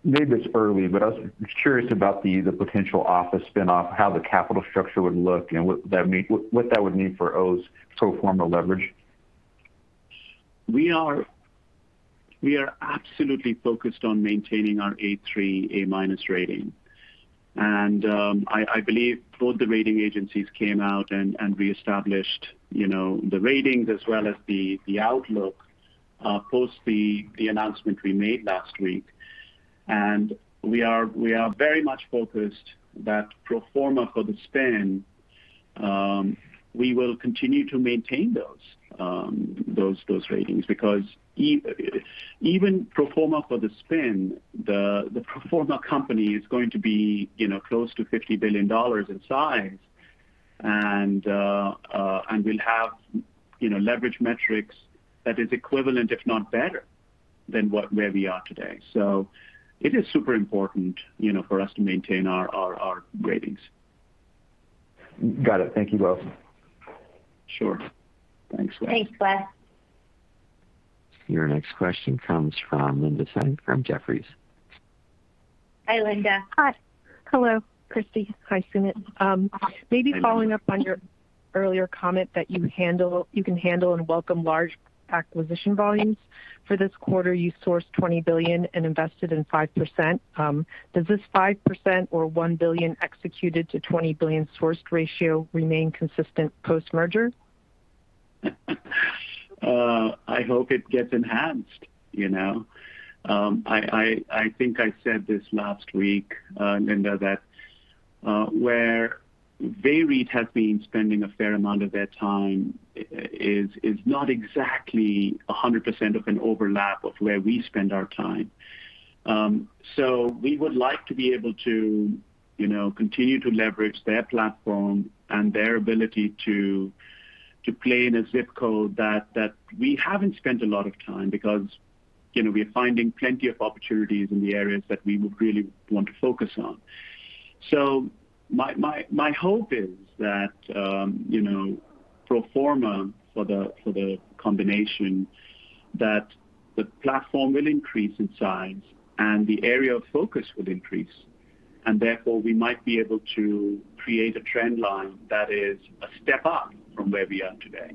Maybe it's early, but I was curious about the potential office spinoff, how the capital structure would look, and what that would mean for O's pro forma leverage. We are absolutely focused on maintaining our A3 A- minus rating. I believe both the rating agencies came out and reestablished the ratings as well as the outlook post the announcement we made last week. We are very much focused that pro forma for the spin, we will continue to maintain those ratings, because even pro forma for the spin, the pro forma company is going to be close to $50 billion in size. We'll have leverage metrics that is equivalent, if not better than where we are today. It is super important for us to maintain our ratings. Got it. Thank you both. Sure. Thanks, Wes. Thanks, Wes. Your next question comes from Linda Tsai from Jefferies. Hi, Linda. Hi. Hello, Christie. Hi, Sumit. Maybe following up on your earlier comment that you can handle and welcome large acquisition volumes for this quarter, you sourced $20 billion and invested in 5%. Does this 5% or $1 billion executed to $20 billion sourced ratio remain consistent post-merger? I hope it gets enhanced. I think I said this last week, Linda, that where VEREIT has been spending a fair amount of their time is not exactly 100% of an overlap of where we spend our time. We would like to be able to continue to leverage their platform and their ability to play in a ZIP code that we haven't spent a lot of time because we are finding plenty of opportunities in the areas that we would really want to focus on. My hope is that pro forma for the combination, that the platform will increase in size and the area of focus will increase, and therefore we might be able to create a trend line that is a step up from where we are today.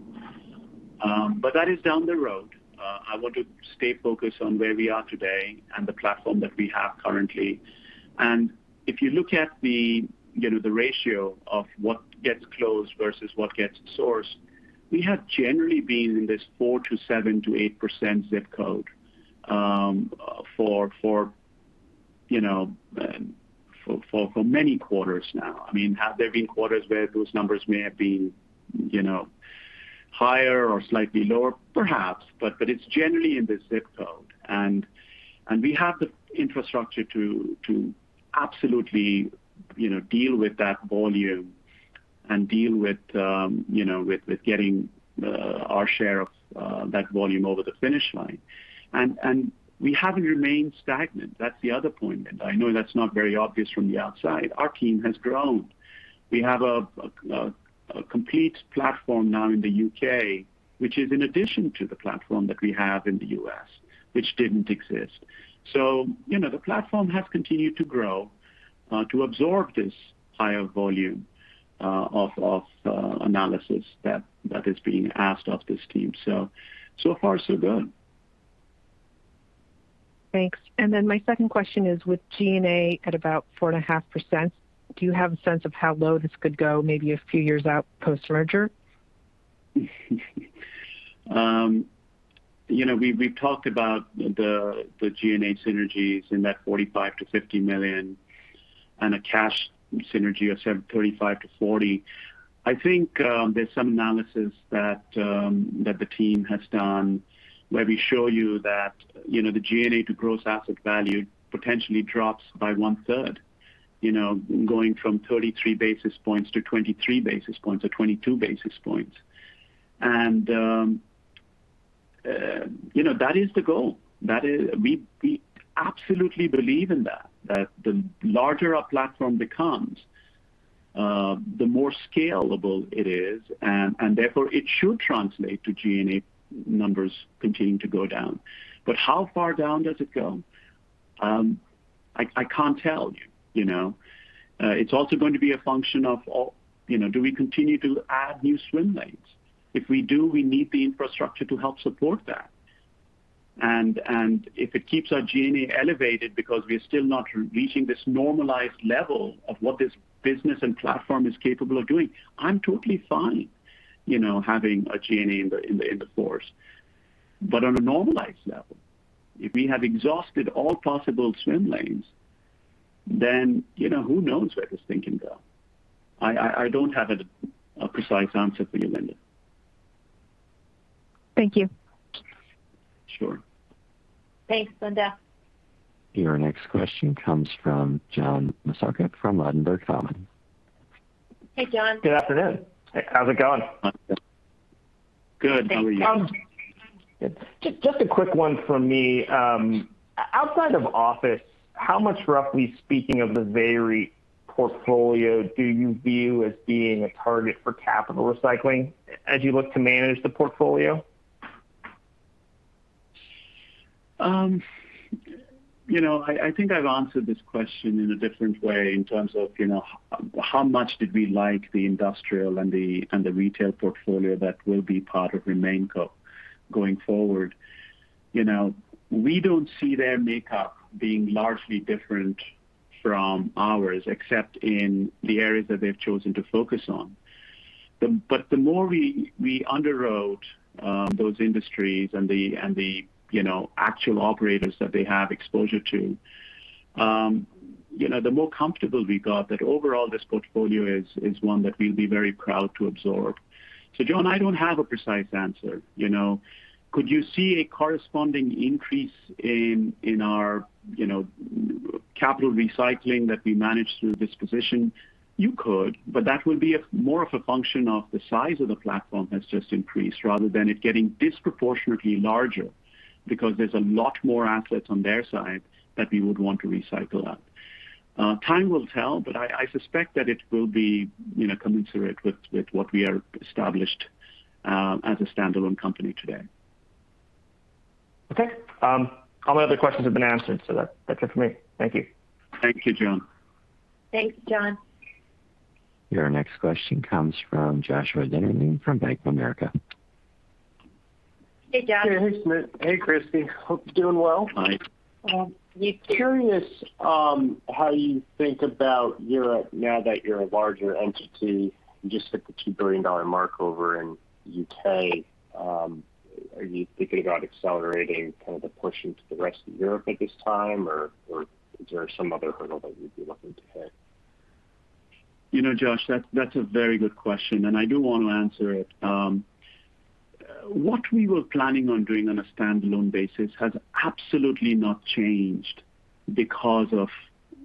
That is down the road. I want to stay focused on where we are today and the platform that we have currently. If you look at the ratio of what gets closed versus what gets sourced, we have generally been in this 4% to 7% to 8% ZIP code for many quarters now. I mean, have there been quarters where those numbers may have been higher or slightly lower? Perhaps, but it's generally in this ZIP code. We have the infrastructure to absolutely deal with that volume and deal with getting our share of that volume over the finish line. We haven't remained stagnant. That's the other point that I know that's not very obvious from the outside. Our team has grown. We have a complete platform now in the U.K., which is in addition to the platform that we have in the U.S., which didn't exist. The platform has continued to grow to absorb this higher volume of analysis that is being asked of this team. So far so good. Thanks. My second question is, with G&A at about 4.5%, do you have a sense of how low this could go, maybe a few years out post-merger? We've talked about the G&A synergies in that $45 million-$50 million, and a cash synergy of $35 million-$40 million. I think there's some analysis that the team has done where we show you that the G&A to gross asset value potentially drops by one third. Going from 33 basis points to 23 basis points or 22 basis points. That is the goal. We absolutely believe in that the larger a platform becomes, the more scalable it is, and therefore it should translate to G&A numbers continuing to go down. How far down does it go? I can't tell you. It's also going to be a function of do we continue to add new swim lanes? If we do, we need the infrastructure to help support that. If it keeps our G&A elevated because we are still not reaching this normalized level of what this business and platform is capable of doing, I'm totally fine having a G&A in the fours. On a normalized level, if we have exhausted all possible swim lanes, then who knows where this thing can go. I don't have a precise answer for you, Linda. Thank you. Sure. Thanks, Linda. Your next question comes from John Massocca from Ladenburg Thalmann. Hey, John. Good afternoon. How's it going? Good. How are you? Just a quick one from me. Outside of office, how much roughly speaking of the VEREIT portfolio do you view as being a target for capital recycling as you look to manage the portfolio? I think I've answered this question in a different way in terms of how much did we like the industrial and the retail portfolio that will be part of RemainCo going forward. We don't see their makeup being largely different from ours, except in the areas that they've chosen to focus on. The more we underwrote those industries and the actual operators that they have exposure to, the more comfortable we got that overall this portfolio is one that we'll be very proud to absorb. John, I don't have a precise answer. Could you see a corresponding increase in our capital recycling that we manage through disposition? You could, but that would be more of a function of the size of the platform has just increased rather than it getting disproportionately larger because there's a lot more assets on their side that we would want to recycle out. Time will tell, but I suspect that it will be commensurate with what we are established as a standalone company today. All my other questions have been answered, so that's it for me. Thank you. Thank you, John. Thanks, John. Your next question comes from Joshua Dennerlein from Bank of America. Hey, Josh. Hey, Sumit. Hey, Christie. Hope you're doing well. Hi. You too. Curious how you think about Europe now that you're a larger entity. You just hit the $2 billion mark over in U.K. Are you thinking about accelerating kind of the push into the rest of Europe at this time or is there some other hurdle that you'd be looking to hit? Josh, that's a very good question, and I do want to answer it. What we were planning on doing on a standalone basis has absolutely not changed because of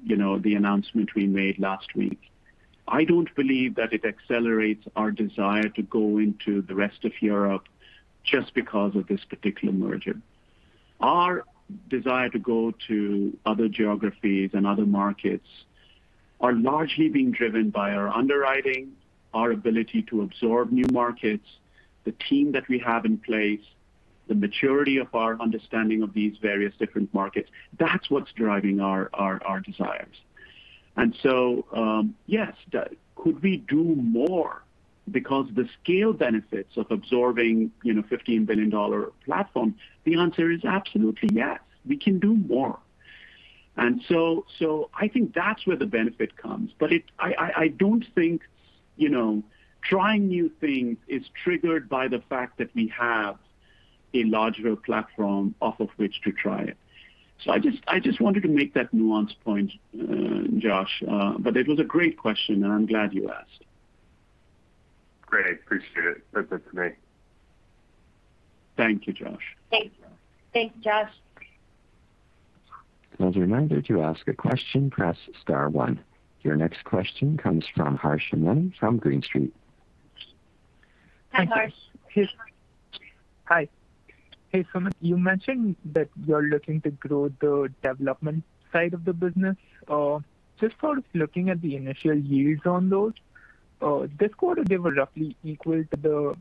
the announcement we made last week. I don't believe that it accelerates our desire to go into the rest of Europe just because of this particular merger. Our desire to go to other geographies and other markets are largely being driven by our underwriting, our ability to absorb new markets, the team that we have in place, the maturity of our understanding of these various different markets. That's what's driving our desires. Yes, could we do more because the scale benefits of absorbing a $15 billion platform?. The answer is absolutely yes. We can do more. I think that's where the benefit comes. I don't think trying new things is triggered by the fact that we have a larger platform off of which to try it. I just wanted to make that nuanced point, Josh. It was a great question, and I'm glad you asked. Great. Appreciate it. That's it for me. Thank you, Josh. Thanks. Thanks, Josh. As a reminder to ask a question press star one. Your next question comes from Harsh Hemnani from Green Street. Hi, Harsh. Hi. Hey, Sumit. You mentioned that you're looking to grow the development side of the business. Just sort of looking at the initial yields on those. This quarter, they were roughly equal to the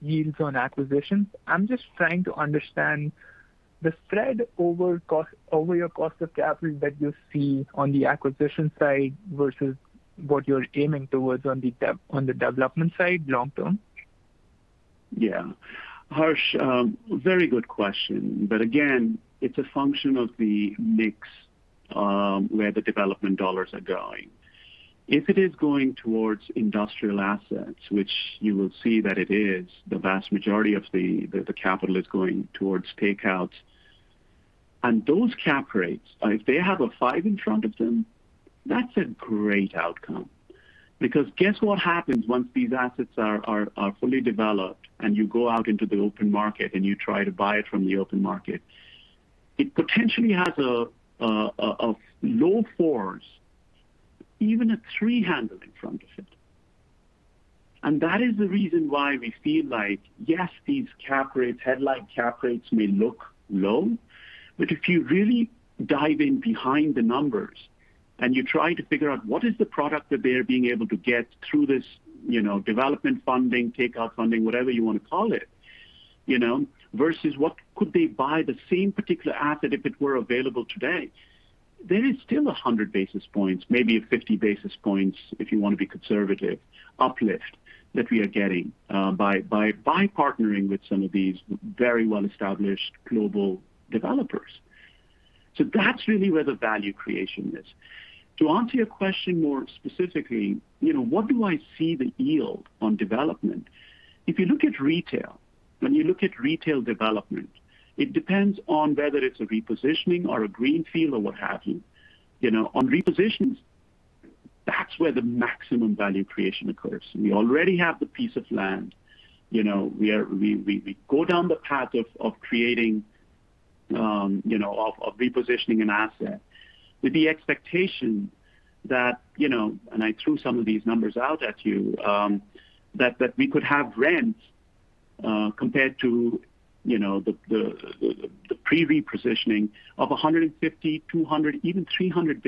yields on acquisitions. I'm just trying to understand the spread over your cost of capital that you see on the acquisition side versus what you're aiming towards on the development side long term. Yeah. Harsh, very good question. Again, it's a function of the mix where the development dollars are going. If it is going towards industrial assets, which you will see that it is the vast majority of the capital is going towards takeouts. Those cap rates, if they have a five in front of them, that's a great outcome because guess what happens once these assets are fully developed and you go out into the open market and you try to buy it from the open market. It potentially has a low fours, even a three handle in front of it. That is the reason why we feel like, yes, these headline cap rates may look low. If you really dive in behind the numbers and you try to figure out what is the product that they're being able to get through this development funding, takeout funding, whatever you want to call it, versus what could they buy the same particular asset if it were available today? There is still 100 basis points, maybe 50 basis points if you want to be conservative, uplift that we are getting by partnering with some of these very well-established global developers. That's really where the value creation is. To answer your question more specifically, what do I see the yield on development? If you look at retail, when you look at retail development, it depends on whether it's a repositioning or a greenfield or what have you. On repositions, that's where the maximum value creation occurs. We already have the piece of land. We go down the path of repositioning an asset with the expectation that, and I threw some of these numbers out at you, that we could have rents compared to the pre-repositioning of 150, 200, even 300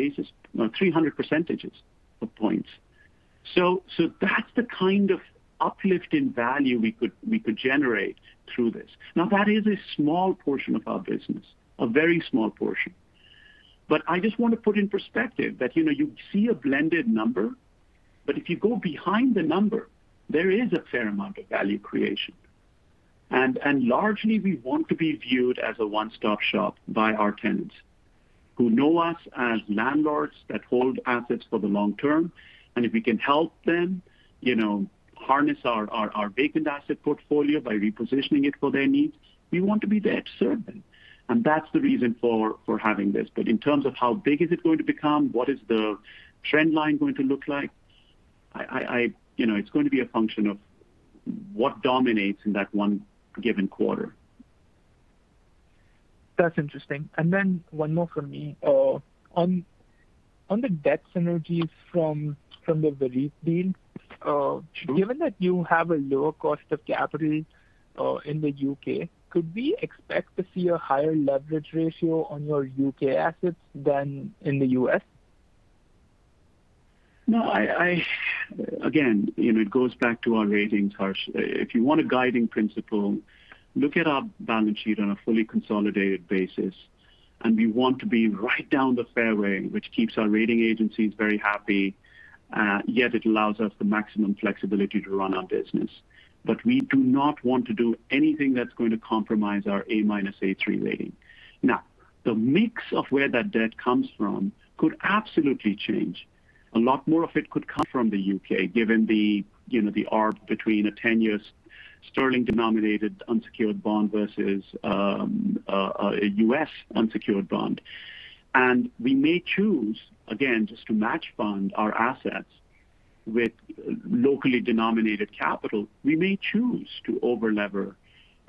percentages of points. That's the kind of uplift in value we could generate through this. Now, that is a small portion of our business, a very small portion. I just want to put in perspective that you see a blended number, but if you go behind the number, there is a fair amount of value creation. Largely, we want to be viewed as a one-stop shop by our tenants who know us as landlords that hold assets for the long term. If we can help them harness our vacant asset portfolio by repositioning it for their needs, we want to be that servant. That's the reason for having this. In terms of how big is it going to become, what is the trend line going to look like? It's going to be a function of what dominates in that one given quarter. That's interesting. One more from me. On the debt synergies from the VEREIT deal, given that you have a lower cost of capital in the U.K., could we expect to see a higher leverage ratio on your U.K. assets than in the U.S.? No. Again, it goes back to our ratings, Harsh. If you want a guiding principle, look at our balance sheet on a fully consolidated basis, and we want to be right down the fairway, which keeps our rating agencies very happy. Yet it allows us the maximum flexibility to run our business. We do not want to do anything that's going to compromise our A- minus, A3 rating. Now, the mix of where that debt comes from could absolutely change. A lot more of it could come from the U.K., given the arb between a 10-year sterling denominated unsecured bond versus a U.S. unsecured bond. We may choose, again, just to match fund our assets with locally denominated capital. We may choose to over-lever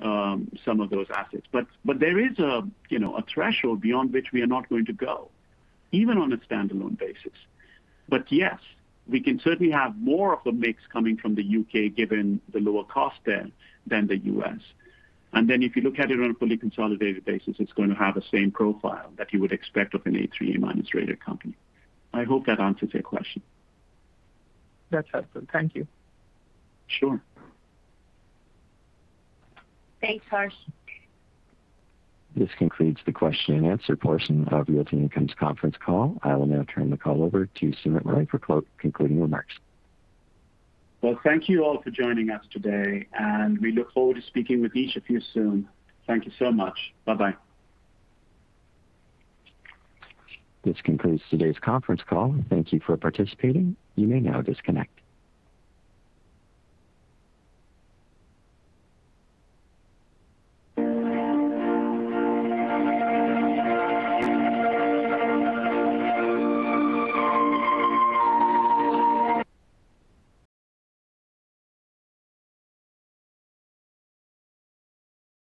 some of those assets. There is a threshold beyond which we are not going to go, even on a standalone basis. Yes, we can certainly have more of the mix coming from the U.K., given the lower cost there than the U.S. Then if you look at it on a fully consolidated basis, it's going to have the same profile that you would expect of an A3, A- minus rated company. I hope that answers your question. That's helpful. Thank you. Sure. Thanks, Harsh. This concludes the question and answer portion of Realty Income's conference call. I will now turn the call over to Sumit Roy for concluding remarks. Thank you all for joining us today, and we look forward to speaking with each of you soon. Thank you so much. Bye-bye. This concludes today's conference call. Thank you for participating. You may now disconnect.